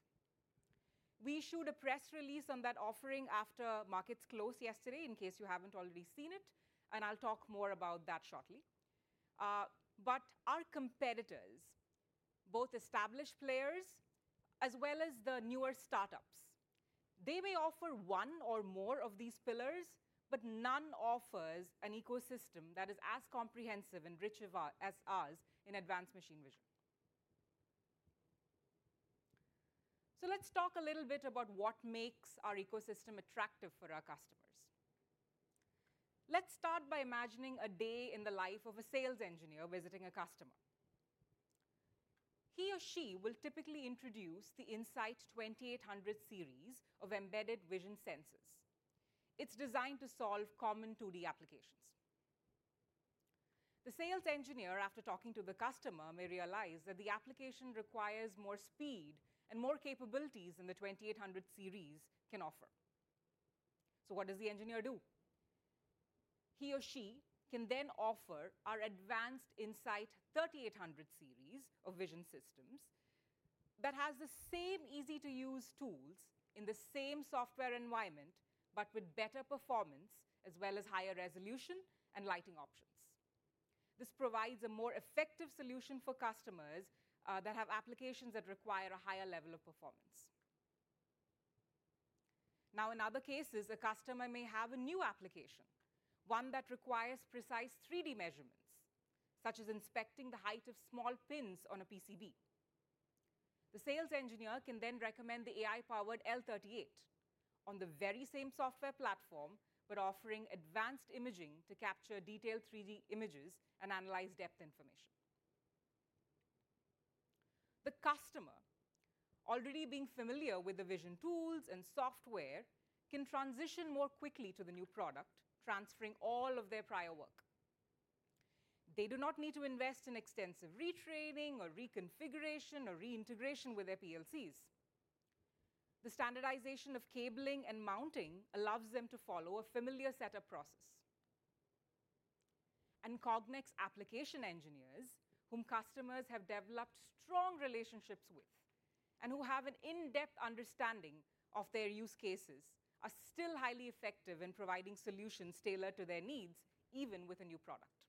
[SPEAKER 5] We issued a press release on that offering after markets closed yesterday, in case you haven't already seen it. I'll talk more about that shortly. Our competitors, both established players as well as the newer startups, may offer one or more of these pillars, but none offers an ecosystem that is as comprehensive and rich as ours in advanced machine vision. Let's talk a little bit about what makes our ecosystem attractive for our customers. Let's start by imagining a day in the life of a sales engineer visiting a customer. He or she will typically introduce the In-Sight 2800 series of embedded vision sensors. It's designed to solve common 2D applications. The sales engineer, after talking to the customer, may realize that the application requires more speed and more capabilities than the 2800 series can offer. So what does the engineer do? He or she can then offer our advanced In-Sight 3800 series of vision systems that has the same easy-to-use tools in the same software environment, but with better performance as well as higher resolution and lighting options. This provides a more effective solution for customers that have applications that require a higher level of performance. Now, in other cases, a customer may have a new application, one that requires precise 3D measurements, such as inspecting the height of small pins on a PCB. The sales engineer can then recommend the AI-powered In-Sight L38 on the very same software platform, but offering advanced imaging to capture detailed 3D images and analyze depth information. The customer, already being familiar with the vision tools and software, can transition more quickly to the new product, transferring all of their prior work. They do not need to invest in extensive retraining or reconfiguration or reintegration with their PLCs. The standardization of cabling and mounting allows them to follow a familiar setup process. Cognex application engineers, whom customers have developed strong relationships with and who have an in-depth understanding of their use cases, are still highly effective in providing solutions tailored to their needs, even with a new product.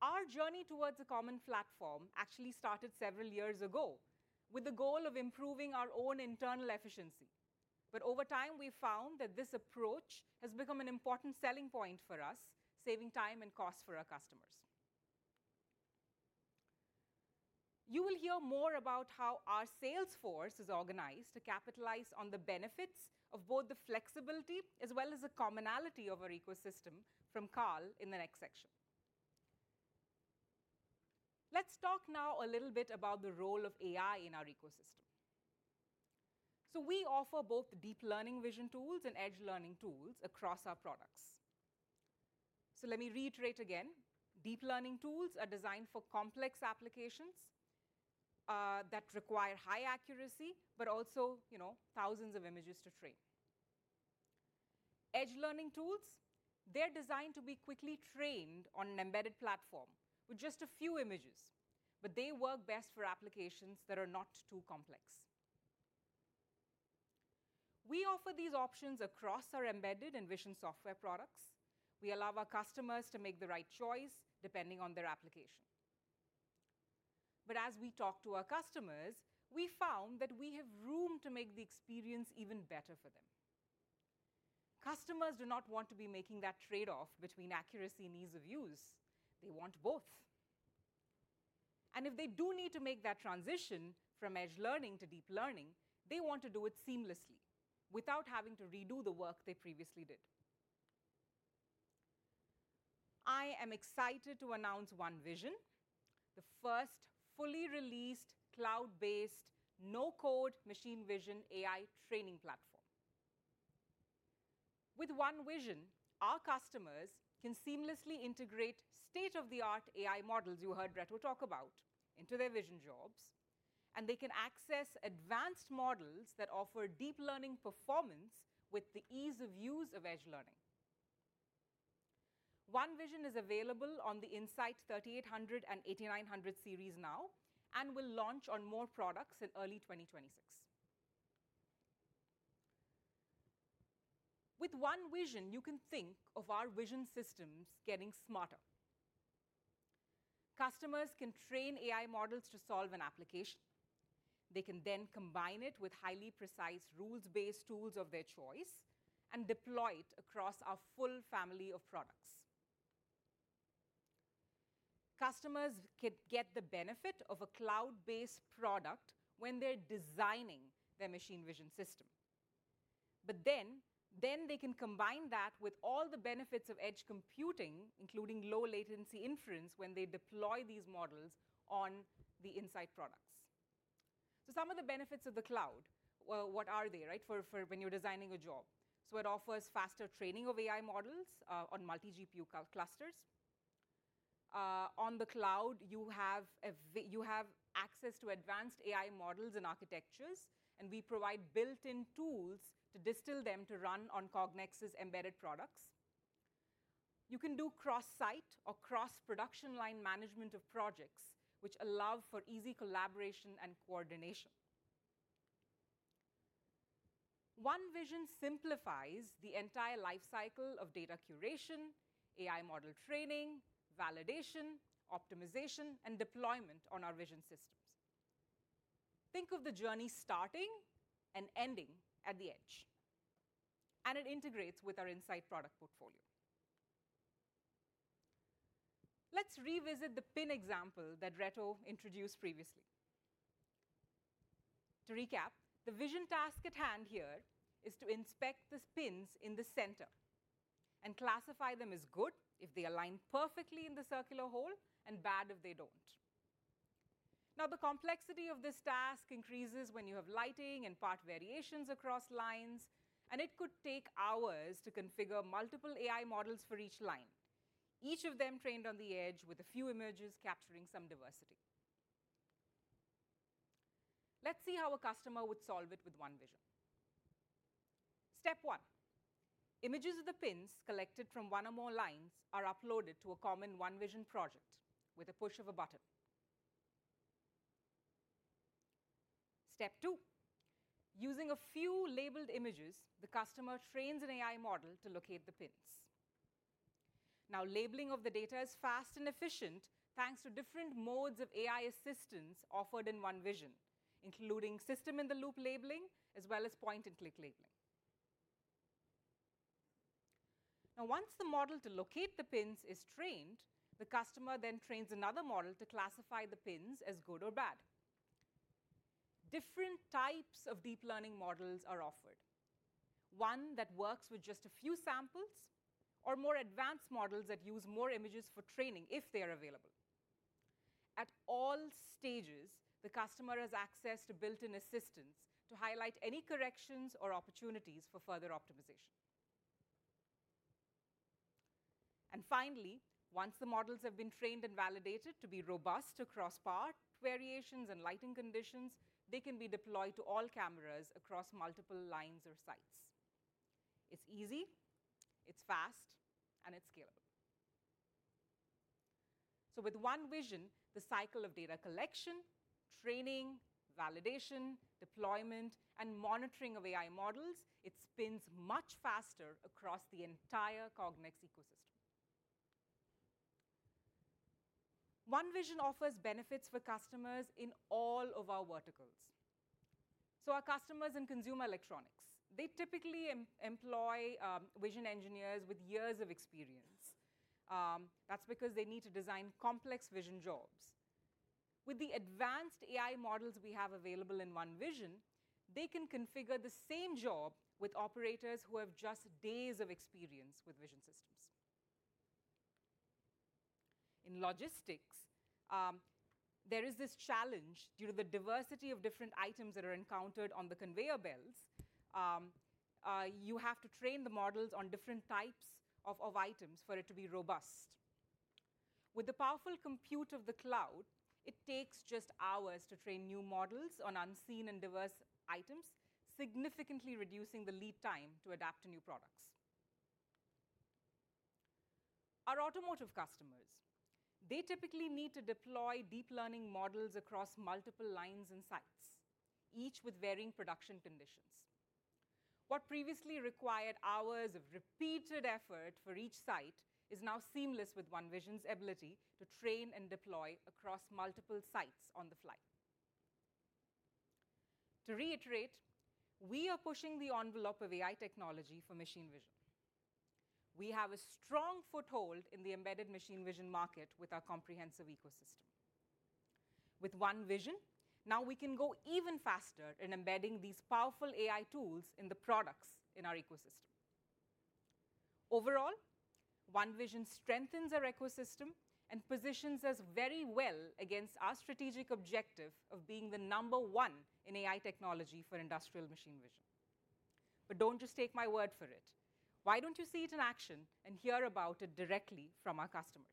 [SPEAKER 5] Our journey towards a common platform actually started several years ago with the goal of improving our own internal efficiency. Over time, we found that this approach has become an important selling point for us, saving time and cost for our customers. You will hear more about how our sales force is organized to capitalize on the benefits of both the flexibility as well as the commonality of our ecosystem from Carl in the next section. Let's talk now a little bit about the role of AI in our ecosystem. We offer both deep learning vision tools and edge learning tools across our products. Let me reiterate again, deep learning tools are designed for complex applications that require high accuracy, but also thousands of images to train. Edge learning tools, they're designed to be quickly trained on an embedded platform with just a few images, but they work best for applications that are not too complex. We offer these options across our embedded and vision software products. We allow our customers to make the right choice depending on their application. As we talk to our customers, we found that we have room to make the experience even better for them. Customers do not want to be making that trade-off between accuracy and ease of use. They want both. If they do need to make that transition from edge learning to deep learning, they want to do it seamlessly without having to redo the work they previously did. I am excited to announce OneVision, the first fully released cloud-based no-code machine vision AI training platform. With OneVision, our customers can seamlessly integrate state-of-the-art AI models you heard Reto talk about into their vision jobs, and they can access advanced models that offer deep learning performance with the ease of use of edge learning. OneVision is available on the In-Sight 3800 and 8900 series now and will launch on more products in early 2026. With OneVision, you can think of our vision systems getting smarter. Customers can train AI models to solve an application. They can then combine it with highly precise rules-based tools of their choice and deploy it across our full family of products. Customers could get the benefit of a cloud-based product when they're designing their machine vision system. They can combine that with all the benefits of edge computing, including low-latency inference when they deploy these models on the In-Sight products. Some of the benefits of the cloud, what are they, right, for when you're designing a job? It offers faster training of AI models on multi-GPU clusters. On the cloud, you have access to advanced AI models and architectures, and we provide built-in tools to distill them to run on Cognex's embedded products. You can do cross-site or cross-production line management of projects, which allow for easy collaboration and coordination. OneVision simplifies the entire lifecycle of data curation, AI model training, validation, optimization, and deployment on our vision systems. Think of the journey starting and ending at the edge, and it integrates with our In-Sight product portfolio. Let's revisit the pin example that Reto introduced previously. To recap, the vision task at hand here is to inspect the pins in the center and classify them as good if they align perfectly in the circular hole and bad if they do not. Now, the complexity of this task increases when you have lighting and part variations across lines, and it could take hours to configure multiple AI models for each line, each of them trained on the edge with a few images capturing some diversity. Let's see how a customer would solve it with OneVision. Step one, images of the pins collected from one or more lines are uploaded to a common OneVision project with a push of a button. Step two, using a few labeled images, the customer trains an AI model to locate the pins. Now, labeling of the data is fast and efficient thanks to different modes of AI assistance offered in OneVision, including system-in-the-loop labeling as well as point-and-click labeling. Now, once the model to locate the pins is trained, the customer then trains another model to classify the pins as good or bad. Different types of deep learning models are offered, one that works with just a few samples or more advanced models that use more images for training if they are available. At all stages, the customer has access to built-in assistance to highlight any corrections or opportunities for further optimization. Finally, once the models have been trained and validated to be robust across part variations and lighting conditions, they can be deployed to all cameras across multiple lines or sites. It is easy, it is fast, and it is scalable. With OneVision, the cycle of data collection, training, validation, deployment, and monitoring of AI models spins much faster across the entire Cognex ecosystem. OneVision offers benefits for customers in all of our verticals. Our customers in consumer electronics typically employ vision engineers with years of experience. That is because they need to design complex vision jobs. With the advanced AI models we have available in OneVision, they can configure the same job with operators who have just days of experience with vision systems. In logistics, there is this challenge due to the diversity of different items that are encountered on the conveyor belts. You have to train the models on different types of items for it to be robust. With the powerful compute of the cloud, it takes just hours to train new models on unseen and diverse items, significantly reducing the lead time to adapt to new products. Our automotive customers, they typically need to deploy deep learning models across multiple lines and sites, each with varying production conditions. What previously required hours of repeated effort for each site is now seamless with OneVision's ability to train and deploy across multiple sites on the fly. To reiterate, we are pushing the envelope of AI technology for machine vision. We have a strong foothold in the embedded machine vision market with our comprehensive ecosystem. With OneVision, now we can go even faster in embedding these powerful AI tools in the products in our ecosystem. Overall, OneVision strengthens our ecosystem and positions us very well against our strategic objective of being the number one in AI technology for industrial machine vision. Do not just take my word for it. Why do you not see it in action and hear about it directly from our customers?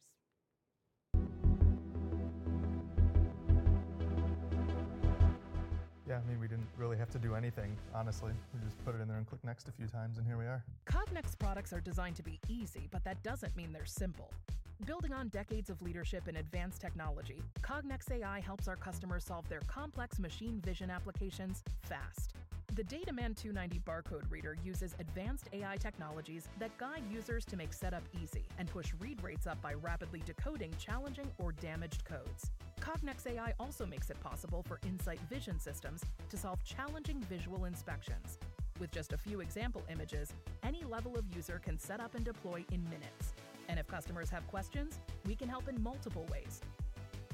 [SPEAKER 6] Yeah, I mean, we did not really have to do anything, honestly. We just put it in there and click next a few times, and here we are. Cognex products are designed to be easy, but that does not mean they are simple. Building on decades of leadership in advanced technology, Cognex AI helps our customers solve their complex machine vision applications fast. The DataMan 290 barcode reader uses advanced AI technologies that guide users to make setup easy and push read rates up by rapidly decoding challenging or damaged codes. Cognex AI also makes it possible for In-Sight vision systems to solve challenging visual inspections. With just a few example images, any level of user can set up and deploy in minutes. If customers have questions, we can help in multiple ways.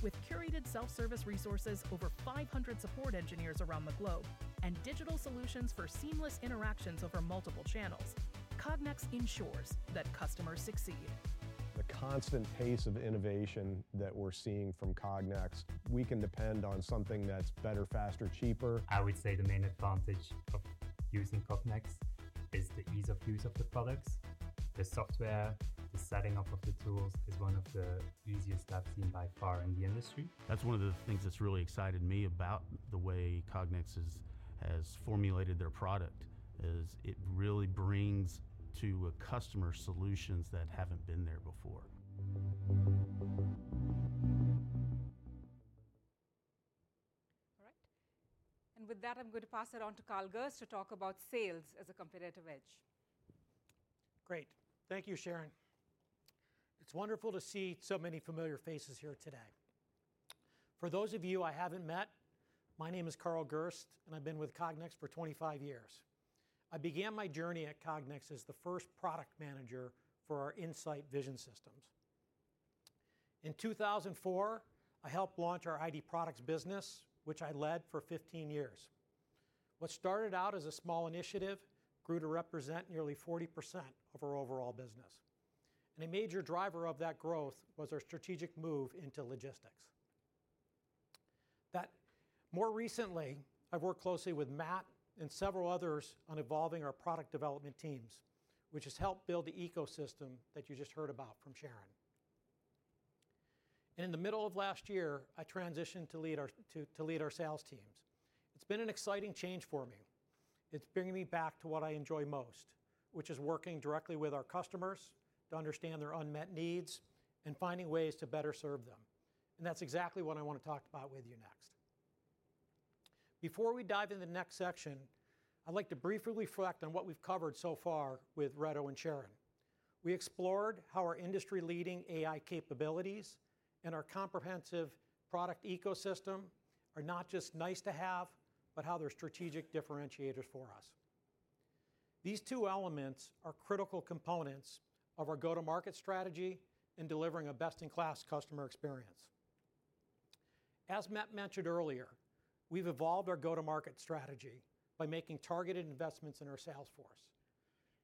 [SPEAKER 6] With curated self-service resources, over 500 support engineers around the globe, and digital solutions for seamless interactions over multiple channels, Cognex ensures that customers succeed. The constant pace of innovation that we are seeing from Cognex, we can depend on something that is better, faster, cheaper. I would say the main advantage of using Cognex is the ease of use of the products. The software, the setting up of the tools is one of the easiest I have seen by far in the industry. That's one of the things that's really excited me about the way Cognex has formulated their product is it really brings to a customer solutions that haven't been there before.
[SPEAKER 5] All right. With that, I'm going to pass it on to Carl Gerst to talk about sales as a competitive edge.
[SPEAKER 7] Great. Thank you, Shirin. It's wonderful to see so many familiar faces here today. For those of you I haven't met, my name is Carl Gerst, and I've been with Cognex for 25 years. I began my journey at Cognex as the first product manager for our In-Sight vision systems. In 2004, I helped launch our ID products business, which I led for 15 years. What started out as a small initiative grew to represent nearly 40% of our overall business. A major driver of that growth was our strategic move into logistics. That. More recently, I've worked closely with Matt and several others on evolving our product development teams, which has helped build the ecosystem that you just heard about from Shirin. In the middle of last year, I transitioned to lead our sales teams. It's been an exciting change for me. It's bringing me back to what I enjoy most, which is working directly with our customers to understand their unmet needs and finding ways to better serve them. That's exactly what I want to talk about with you next. Before we dive into the next section, I'd like to briefly reflect on what we've covered so far with Reto and Shirin. We explored how our industry-leading AI capabilities and our comprehensive product ecosystem are not just nice to have, but how they're strategic differentiators for us. These two elements are critical components of our go-to-market strategy and delivering a best-in-class customer experience. As Matt mentioned earlier, we have evolved our go-to-market strategy by making targeted investments in our sales force.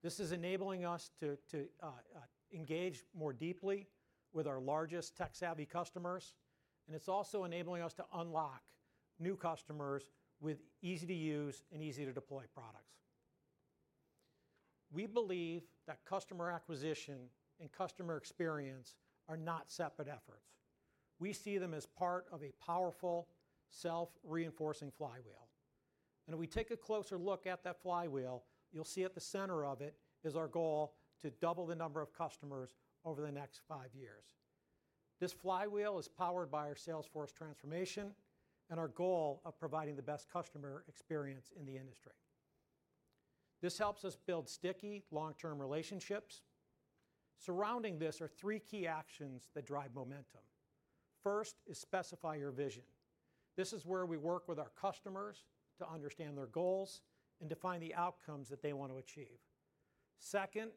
[SPEAKER 7] This is enabling us to engage more deeply with our largest tech-savvy customers, and it is also enabling us to unlock new customers with easy-to-use and easy-to-deploy products. We believe that customer acquisition and customer experience are not separate efforts. We see them as part of a powerful self-reinforcing flywheel. If we take a closer look at that flywheel, you will see at the center of it is our goal to double the number of customers over the next five years. This flywheel is powered by our sales force transformation and our goal of providing the best customer experience in the industry. This helps us build sticky, long-term relationships. Surrounding this are three key actions that drive momentum. First is specify your vision. This is where we work with our customers to understand their goals and define the outcomes that they want to achieve. Second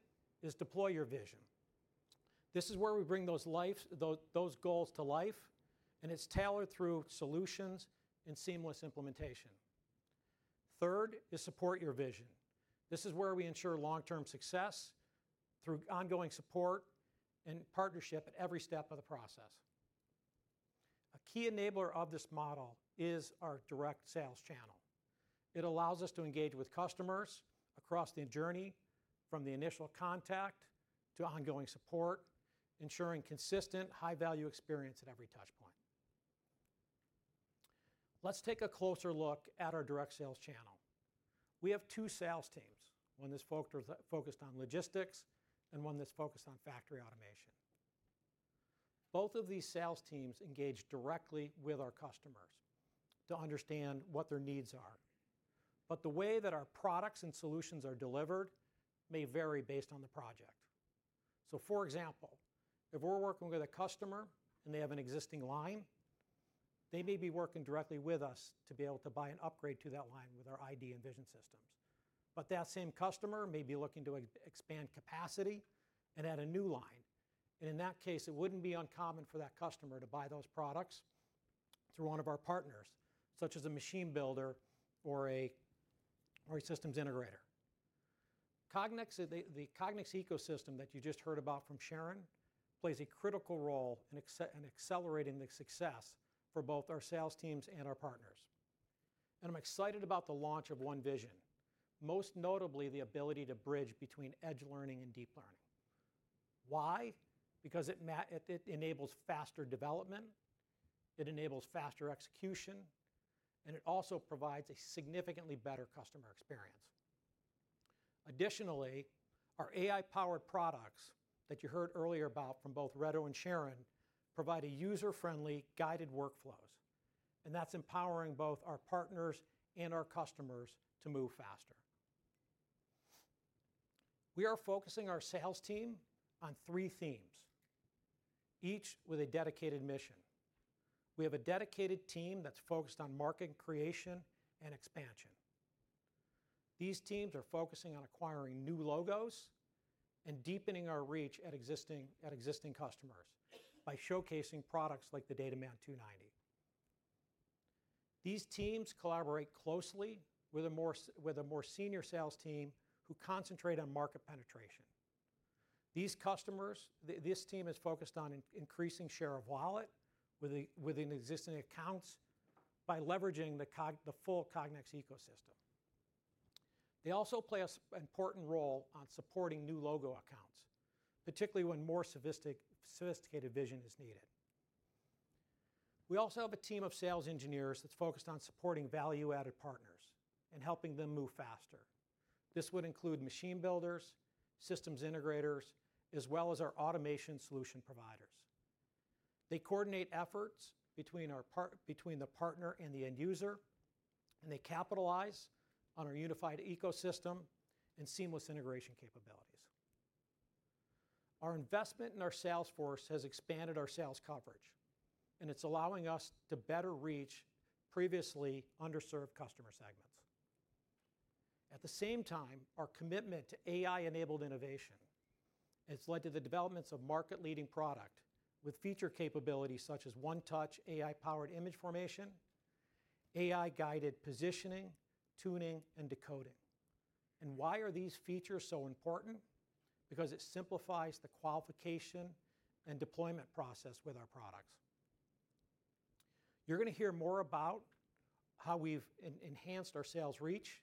[SPEAKER 7] is deploy your vision. This is where we bring those goals to life, and it is tailored through solutions and seamless implementation. Third is support your vision. This is where we ensure long-term success through ongoing support and partnership at every step of the process. A key enabler of this model is our direct sales channel. It allows us to engage with customers across the journey from the initial contact to ongoing support, ensuring consistent, high-value experience at every touchpoint. Let's take a closer look at our direct sales channel. We have two sales teams, one that is focused on logistics and one that is focused on factory automation. Both of these sales teams engage directly with our customers to understand what their needs are. The way that our products and solutions are delivered may vary based on the project. For example, if we're working with a customer and they have an existing line, they may be working directly with us to be able to buy an upgrade to that line with our ID and vision systems. That same customer may be looking to expand capacity and add a new line. In that case, it would not be uncommon for that customer to buy those products through one of our partners, such as a machine builder or a systems integrator. The Cognex ecosystem that you just heard about from Shirin plays a critical role in accelerating the success for both our sales teams and our partners. I'm excited about the launch of OneVision, most notably the ability to bridge between edge learning and deep learning. Why? Because it enables faster development, it enables faster execution, and it also provides a significantly better customer experience. Additionally, our AI-powered products that you heard earlier about from both Reto and Shirin provide user-friendly, guided workflows. That is empowering both our partners and our customers to move faster. We are focusing our sales team on three themes, each with a dedicated mission. We have a dedicated team that is focused on market creation and expansion. These teams are focusing on acquiring new logos and deepening our reach at existing customers by showcasing products like the DataMan 290. These teams collaborate closely with a more senior sales team who concentrate on market penetration. This team is focused on increasing share of wallet within existing accounts by leveraging the full Cognex ecosystem. They also play an important role in supporting new logo accounts, particularly when more sophisticated vision is needed. We also have a team of sales engineers that's focused on supporting value-added partners and helping them move faster. This would include machine builders, systems integrators, as well as our automation solution providers. They coordinate efforts between the partner and the end user, and they capitalize on our unified ecosystem and seamless integration capabilities. Our investment in our sales force has expanded our sales coverage, and it's allowing us to better reach previously underserved customer segments. At the same time, our commitment to AI-enabled innovation has led to the developments of market-leading products with feature capabilities such as OneTouch AI-powered image formation, AI-guided positioning, tuning, and decoding. Why are these features so important? Because it simplifies the qualification and deployment process with our products. You're going to hear more about how we've enhanced our sales reach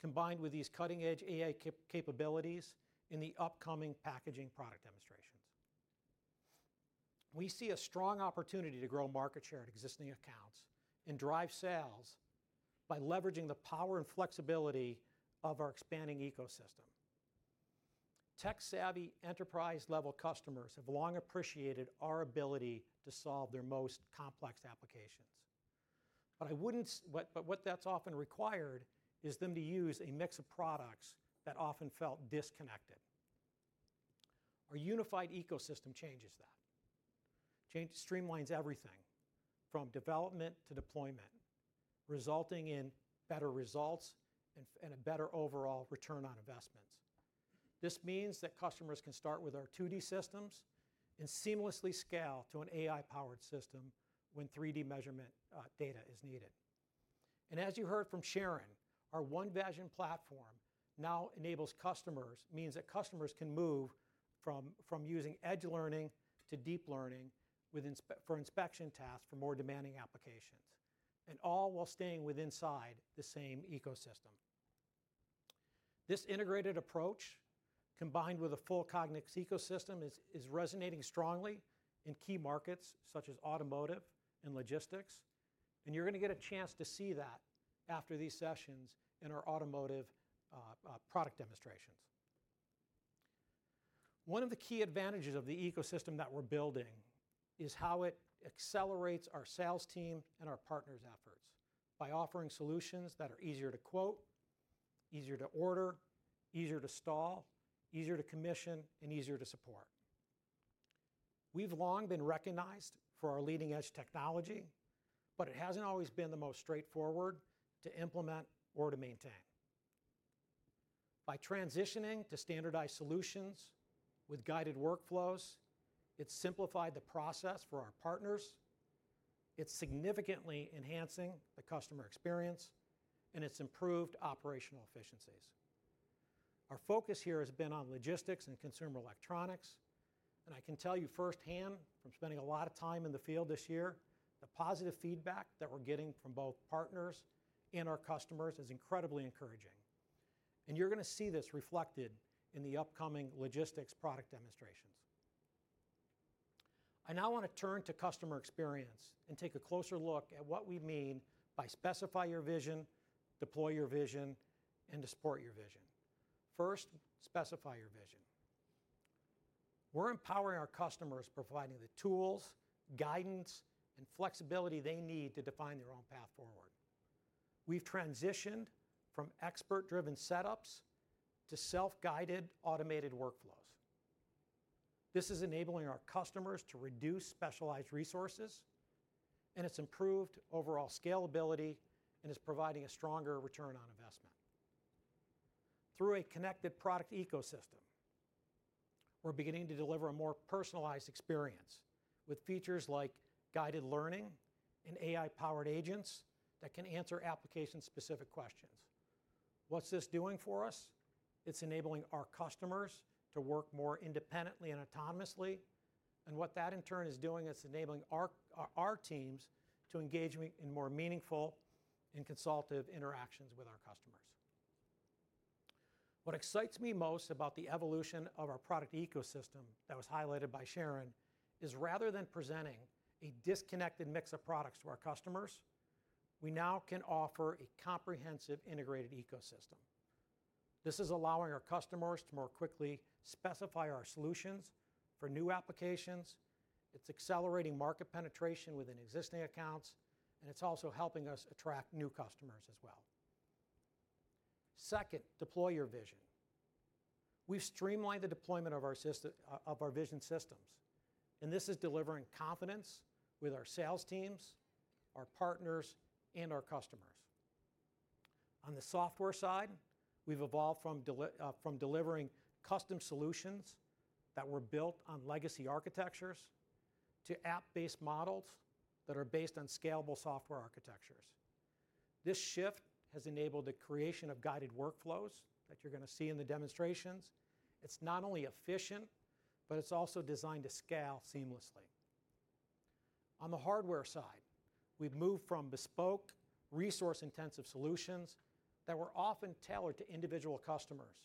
[SPEAKER 7] combined with these cutting-edge AI capabilities in the upcoming packaging product demonstrations. We see a strong opportunity to grow market share at existing accounts and drive sales by leveraging the power and flexibility of our expanding ecosystem. Tech-savvy enterprise-level customers have long appreciated our ability to solve their most complex applications. What that has often required is them to use a mix of products that often felt disconnected. Our unified ecosystem changes that, streamlines everything from development to deployment, resulting in better results and a better overall return on investments. This means that customers can start with our 2D systems and seamlessly scale to an AI-powered system when 3D measurement data is needed. As you heard from Shirin, our OneVision platform now enables customers to move from using edge learning to deep learning for inspection tasks for more demanding applications, and all while staying within the same ecosystem. This integrated approach, combined with a full Cognex ecosystem, is resonating strongly in key markets such as automotive and logistics. You are going to get a chance to see that after these sessions in our automotive product demonstrations. One of the key advantages of the ecosystem that we are building is how it accelerates our sales team and our partners' efforts by offering solutions that are easier to quote, easier to order, easier to install, easier to commission, and easier to support. We have long been recognized for our leading-edge technology, but it has not always been the most straightforward to implement or to maintain. By transitioning to standardized solutions with guided workflows, it has simplified the process for our partners, it is significantly enhancing the customer experience, and it has improved operational efficiencies. Our focus here has been on logistics and consumer electronics. I can tell you firsthand from spending a lot of time in the field this year, the positive feedback that we're getting from both partners and our customers is incredibly encouraging. You're going to see this reflected in the upcoming logistics product demonstrations. I now want to turn to customer experience and take a closer look at what we mean by specify your vision, deploy your vision, and support your vision. First, specify your vision. We're empowering our customers, providing the tools, guidance, and flexibility they need to define their own path forward. We've transitioned from expert-driven setups to self-guided automated workflows. This is enabling our customers to reduce specialized resources, and it's improved overall scalability and is providing a stronger return on investment. Through a connected product ecosystem, we're beginning to deliver a more personalized experience with features like guided learning and AI-powered agents that can answer application-specific questions. What's this doing for us? It's enabling our customers to work more independently and autonomously. What that, in turn, is doing, it's enabling our teams to engage in more meaningful and consultative interactions with our customers. What excites me most about the evolution of our product ecosystem that was highlighted by Shirin is, rather than presenting a disconnected mix of products to our customers, we now can offer a comprehensive integrated ecosystem. This is allowing our customers to more quickly specify our solutions for new applications. It's accelerating market penetration within existing accounts, and it's also helping us attract new customers as well. Second, deploy your vision. We've streamlined the deployment of our vision systems, and this is delivering confidence with our sales teams, our partners, and our customers. On the software side, we've evolved from delivering custom solutions that were built on legacy architectures to app-based models that are based on scalable software architectures. This shift has enabled the creation of guided workflows that you're going to see in the demonstrations. It's not only efficient, but it's also designed to scale seamlessly. On the hardware side, we've moved from bespoke, resource-intensive solutions that were often tailored to individual customers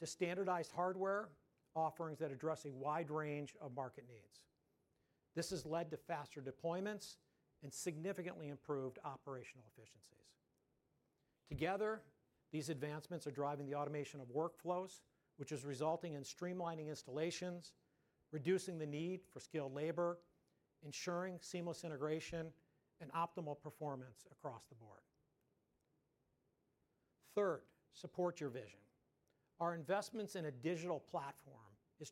[SPEAKER 7] to standardized hardware offerings that address a wide range of market needs. This has led to faster deployments and significantly improved operational efficiencies. Together, these advancements are driving the automation of workflows, which is resulting in streamlining installations, reducing the need for skilled labor, ensuring seamless integration, and optimal performance across the board. Third, support your vision. Our investments in a digital platform are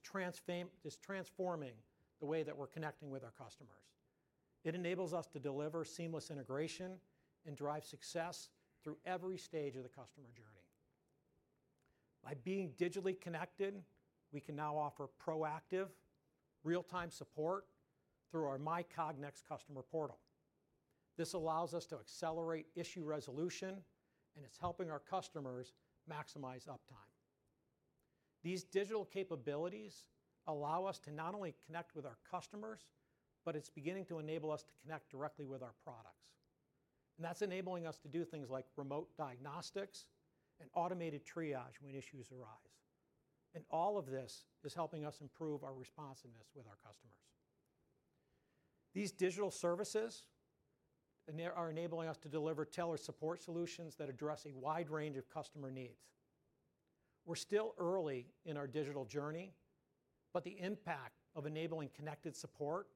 [SPEAKER 7] transforming the way that we're connecting with our customers. It enables us to deliver seamless integration and drive success through every stage of the customer journey. By being digitally connected, we can now offer proactive, real-time support through our MyCognex customer portal. This allows us to accelerate issue resolution, and it's helping our customers maximize uptime. These digital capabilities allow us to not only connect with our customers, but it's beginning to enable us to connect directly with our products. That is enabling us to do things like remote diagnostics and automated triage when issues arise. All of this is helping us improve our responsiveness with our customers. These digital services are enabling us to deliver tailored support solutions that address a wide range of customer needs. We're still early in our digital journey, but the impact of enabling connected support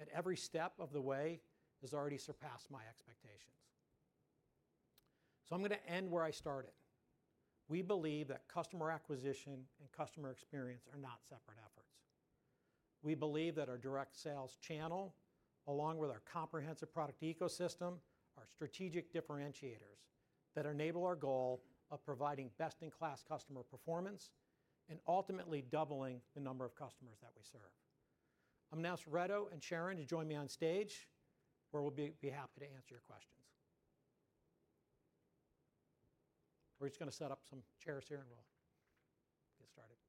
[SPEAKER 7] at every step of the way has already surpassed my expectations. I'm going to end where I started. We believe that customer acquisition and customer experience are not separate efforts. We believe that our direct sales channel, along with our comprehensive product ecosystem, are strategic differentiators that enable our goal of providing best-in-class customer performance and ultimately doubling the number of customers that we serve. I'm going to ask Reto and Shirin to join me on stage, where we'll be happy to answer your questions. We're just going to set up some chairs here and we'll get started.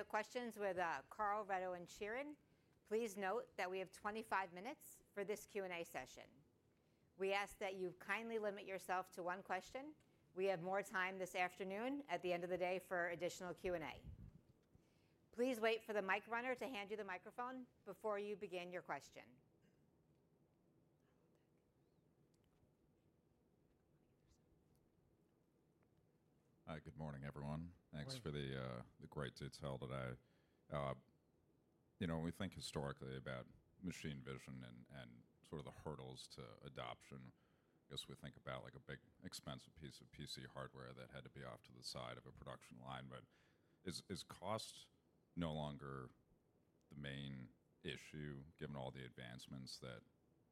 [SPEAKER 1] All right. Before we jump into questions with Carl, Reto, and Shirin, please note that we have 25 minutes for this Q&A session. We ask that you kindly limit yourself to one question. We have more time this afternoon at the end of the day for additional Q&A. Please wait for the mic runner to hand you the microphone before you begin your question.
[SPEAKER 8] Hi. Good morning, everyone. Thanks for the great detail today. When we think historically about machine vision and sort of the hurdles to adoption, I guess we think about a big, expensive piece of PC hardware that had to be off to the side of a production line. Is cost no longer the main issue, given all the advancements that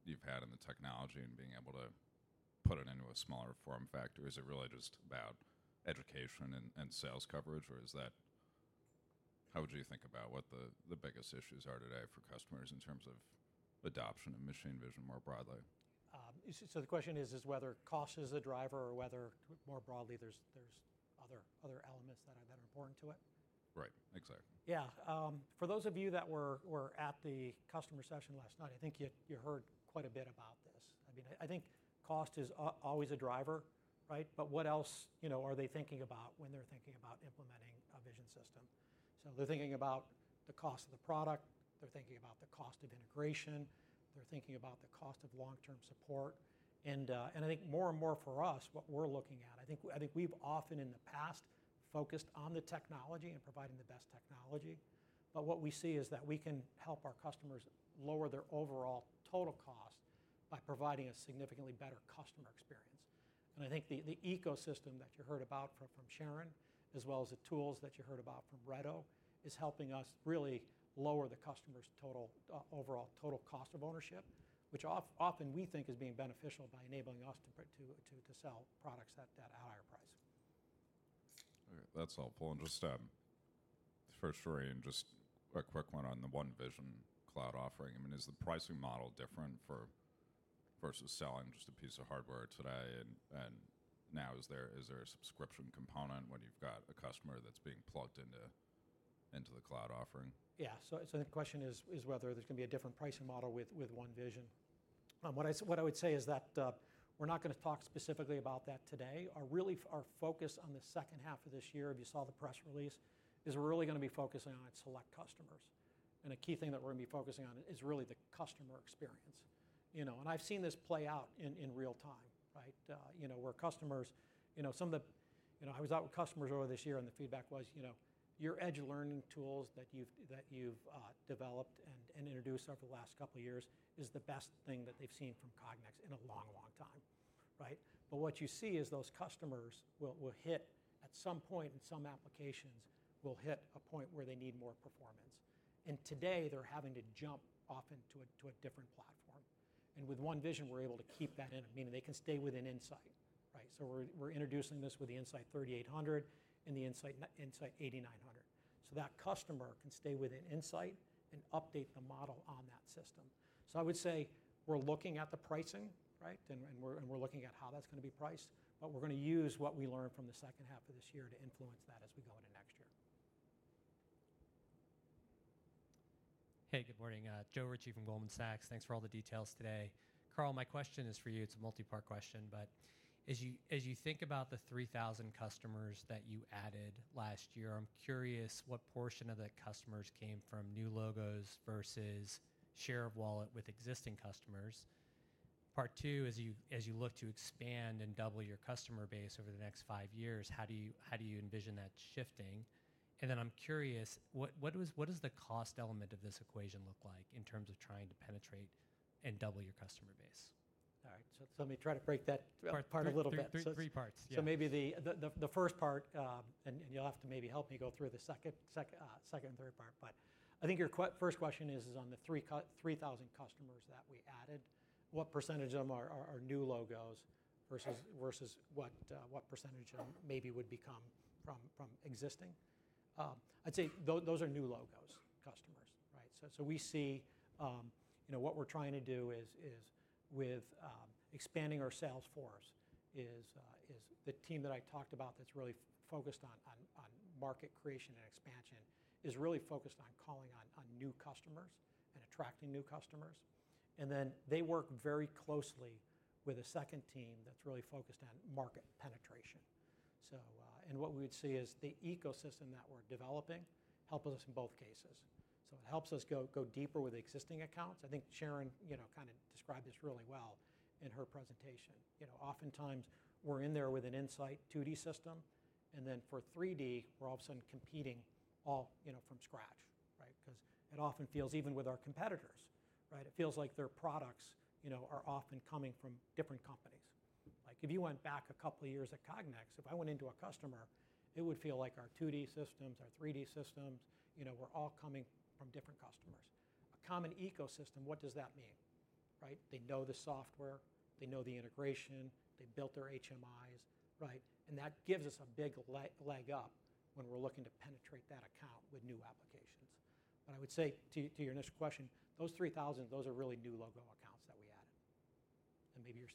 [SPEAKER 8] you've had in the technology and being able to put it into a smaller form factor? Is it really just about education and sales coverage, or how would you think about what the biggest issues are today for customers in terms of adoption of machine vision more broadly?
[SPEAKER 7] The question is whether cost is the driver or whether more broadly there's other elements that are important to it? Right. Exactly. Yeah. For those of you that were at the customer session last night, I think you heard quite a bit about this. I mean, I think cost is always a driver, right? What else are they thinking about when they're thinking about implementing a vision system? They're thinking about the cost of the product. They're thinking about the cost of integration. They're thinking about the cost of long-term support. I think more and more for us, what we're looking at, I think we've often in the past focused on the technology and providing the best technology. What we see is that we can help our customers lower their overall total cost by providing a significantly better customer experience. I think the ecosystem that you heard about from Shirin, as well as the tools that you heard about from Reto, is helping us really lower the customer's overall total cost of ownership, which often we think is being beneficial by enabling us to sell products at a higher price.
[SPEAKER 8] All right. That's helpful. Just to first, Rory, and just a quick one on the OneVision cloud offering. I mean, is the pricing model different versus selling just a piece of hardware today? Now, is there a subscription component when you've got a customer that's being plugged into the cloud offering?
[SPEAKER 7] Yeah. The question is whether there's going to be a different pricing model with OneVision. What I would say is that we're not going to talk specifically about that today. Our focus on the second half of this year, if you saw the press release, is we're really going to be focusing on select customers. A key thing that we're going to be focusing on is really the customer experience. I've seen this play out in real time, right? Where customers, some of the—I was out with customers earlier this year, and the feedback was, "Your edge learning tools that you've developed and introduced over the last couple of years is the best thing that they've seen from Cognex in a long, long time." Right? What you see is those customers will hit at some point in some applications, will hit a point where they need more performance. Today, they're having to jump off into a different platform. With OneVision, we're able to keep that in, meaning they can stay within In-Sight, right? We're introducing this with the In-Sight 3800 and the In-Sight 8900. That customer can stay within In-Sight and update the model on that system. I would say we're looking at the pricing, right? We're looking at how that's going to be priced. We're going to use what we learned from the second half of this year to influence that as we go into next year.
[SPEAKER 9] Hey. Good morning. Joe Ritchie from Goldman Sachs. Thanks for all the details today. Carl, my question is for you. It's a multi-part question. As you think about the 3,000 customers that you added last year, I'm curious what portion of the customers came from new logos versus share of wallet with existing customers. Part two, as you look to expand and double your customer base over the next five years, how do you envision that shifting? I'm curious, what does the cost element of this equation look like in terms of trying to penetrate and double your customer base?
[SPEAKER 7] All right. Let me try to break that part a little bit. Three parts. Maybe the first part, and you'll have to maybe help me go through the second and third part. I think your first question is on the 3,000 customers that we added, what percentage of them are new logos versus what percentage of them maybe would come from existing? I'd say those are new logos customers, right? What we're trying to do is, with expanding our sales force, the team that I talked about that's really focused on market creation and expansion is really focused on calling on new customers and attracting new customers. They work very closely with a second team that's really focused on market penetration. What we would see is the ecosystem that we're developing helps us in both cases. It helps us go deeper with existing accounts. I think Shirin kind of described this really well in her presentation. Oftentimes, we're in there with an In-Sight 2D system. For 3D, we're all of a sudden competing all from scratch, right? Because it often feels, even with our competitors, it feels like their products are often coming from different companies. If you went back a couple of years at Cognex, if I went into a customer, it would feel like our 2D systems, our 3D systems, were all coming from different customers. A common ecosystem, what does that mean, right? They know the software. They know the integration. They built their HMIs, right? That gives us a big leg up when we're looking to penetrate that account with new applications. I would say to your initial question, those 3,000, those are really new logo accounts that we added. Maybe.